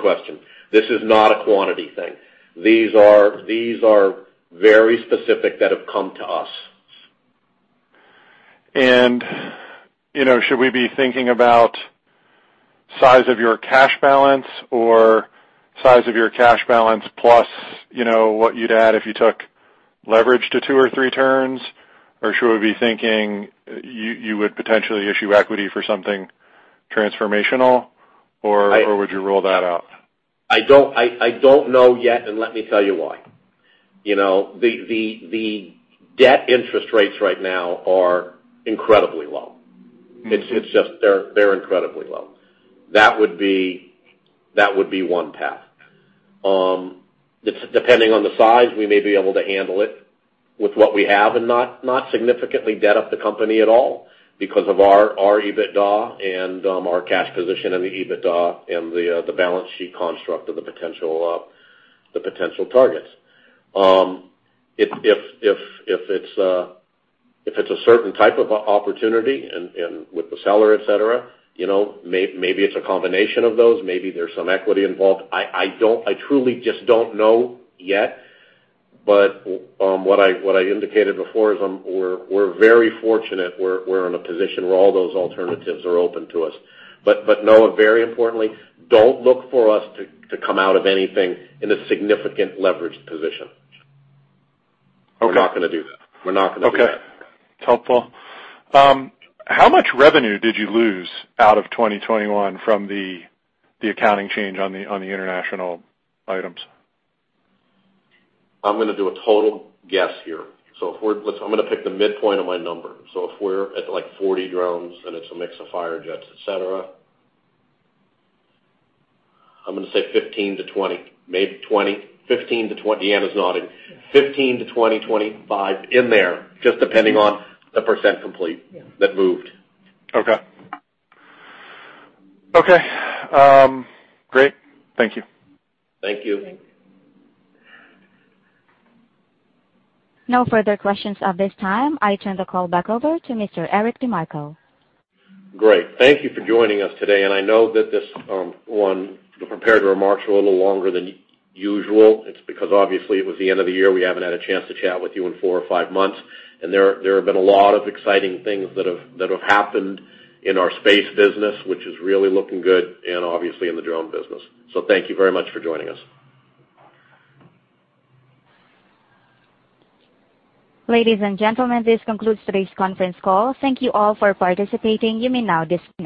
question. This is not a quantity thing. These are very specific that have come to us. Should we be thinking about size of your cash balance or size of your cash balance plus what you'd add if you took leverage to two or three turns? Or should we be thinking you would potentially issue equity for something transformational? Or would you rule that out? I don't know yet, and let me tell you why. The debt interest rates right now are incredibly low. They're incredibly low. That would be one path. Depending on the size, we may be able to handle it with what we have and not significantly debt up the company at all because of our EBITDA and our cash position in the EBITDA and the balance sheet construct of the potential targets. If it's a certain type of opportunity and with the seller, et cetera, maybe it's a combination of those, maybe there's some equity involved. I truly just don't know yet. What I indicated before is we're very fortunate we're in a position where all those alternatives are open to us. Noah, very importantly, don't look for us to come out of anything in a significant leveraged position. Okay. We're not going to do that. Okay. It's helpful. How much revenue did you lose out of 2021 from the accounting change on the international items? I'm going to do a total guess here. I'm going to pick the midpoint of my number. If we're at 40 drones, and it's a mix of Firejets, et cetera, I'm going to say 15-20. Maybe 20. 15-20. Deanna's nodding. 15-20, 25, in there, just depending on the percent complete- Yeah. ...that moved. Okay. Great. Thank you. Thank you. Thanks. No further questions at this time. I turn the call back over to Mr. Eric DeMarco. Great. Thank you for joining us today. I know that this one, the prepared remarks were a little longer than usual. It's because obviously it was the end of the year. We haven't had a chance to chat with you in four or five months, and there have been a lot of exciting things that have happened in our Space business, which is really looking good, and obviously in the Drone business. Thank you very much for joining us. Ladies and gentlemen, this concludes today's conference call. Thank you all for participating. You may now disconnect.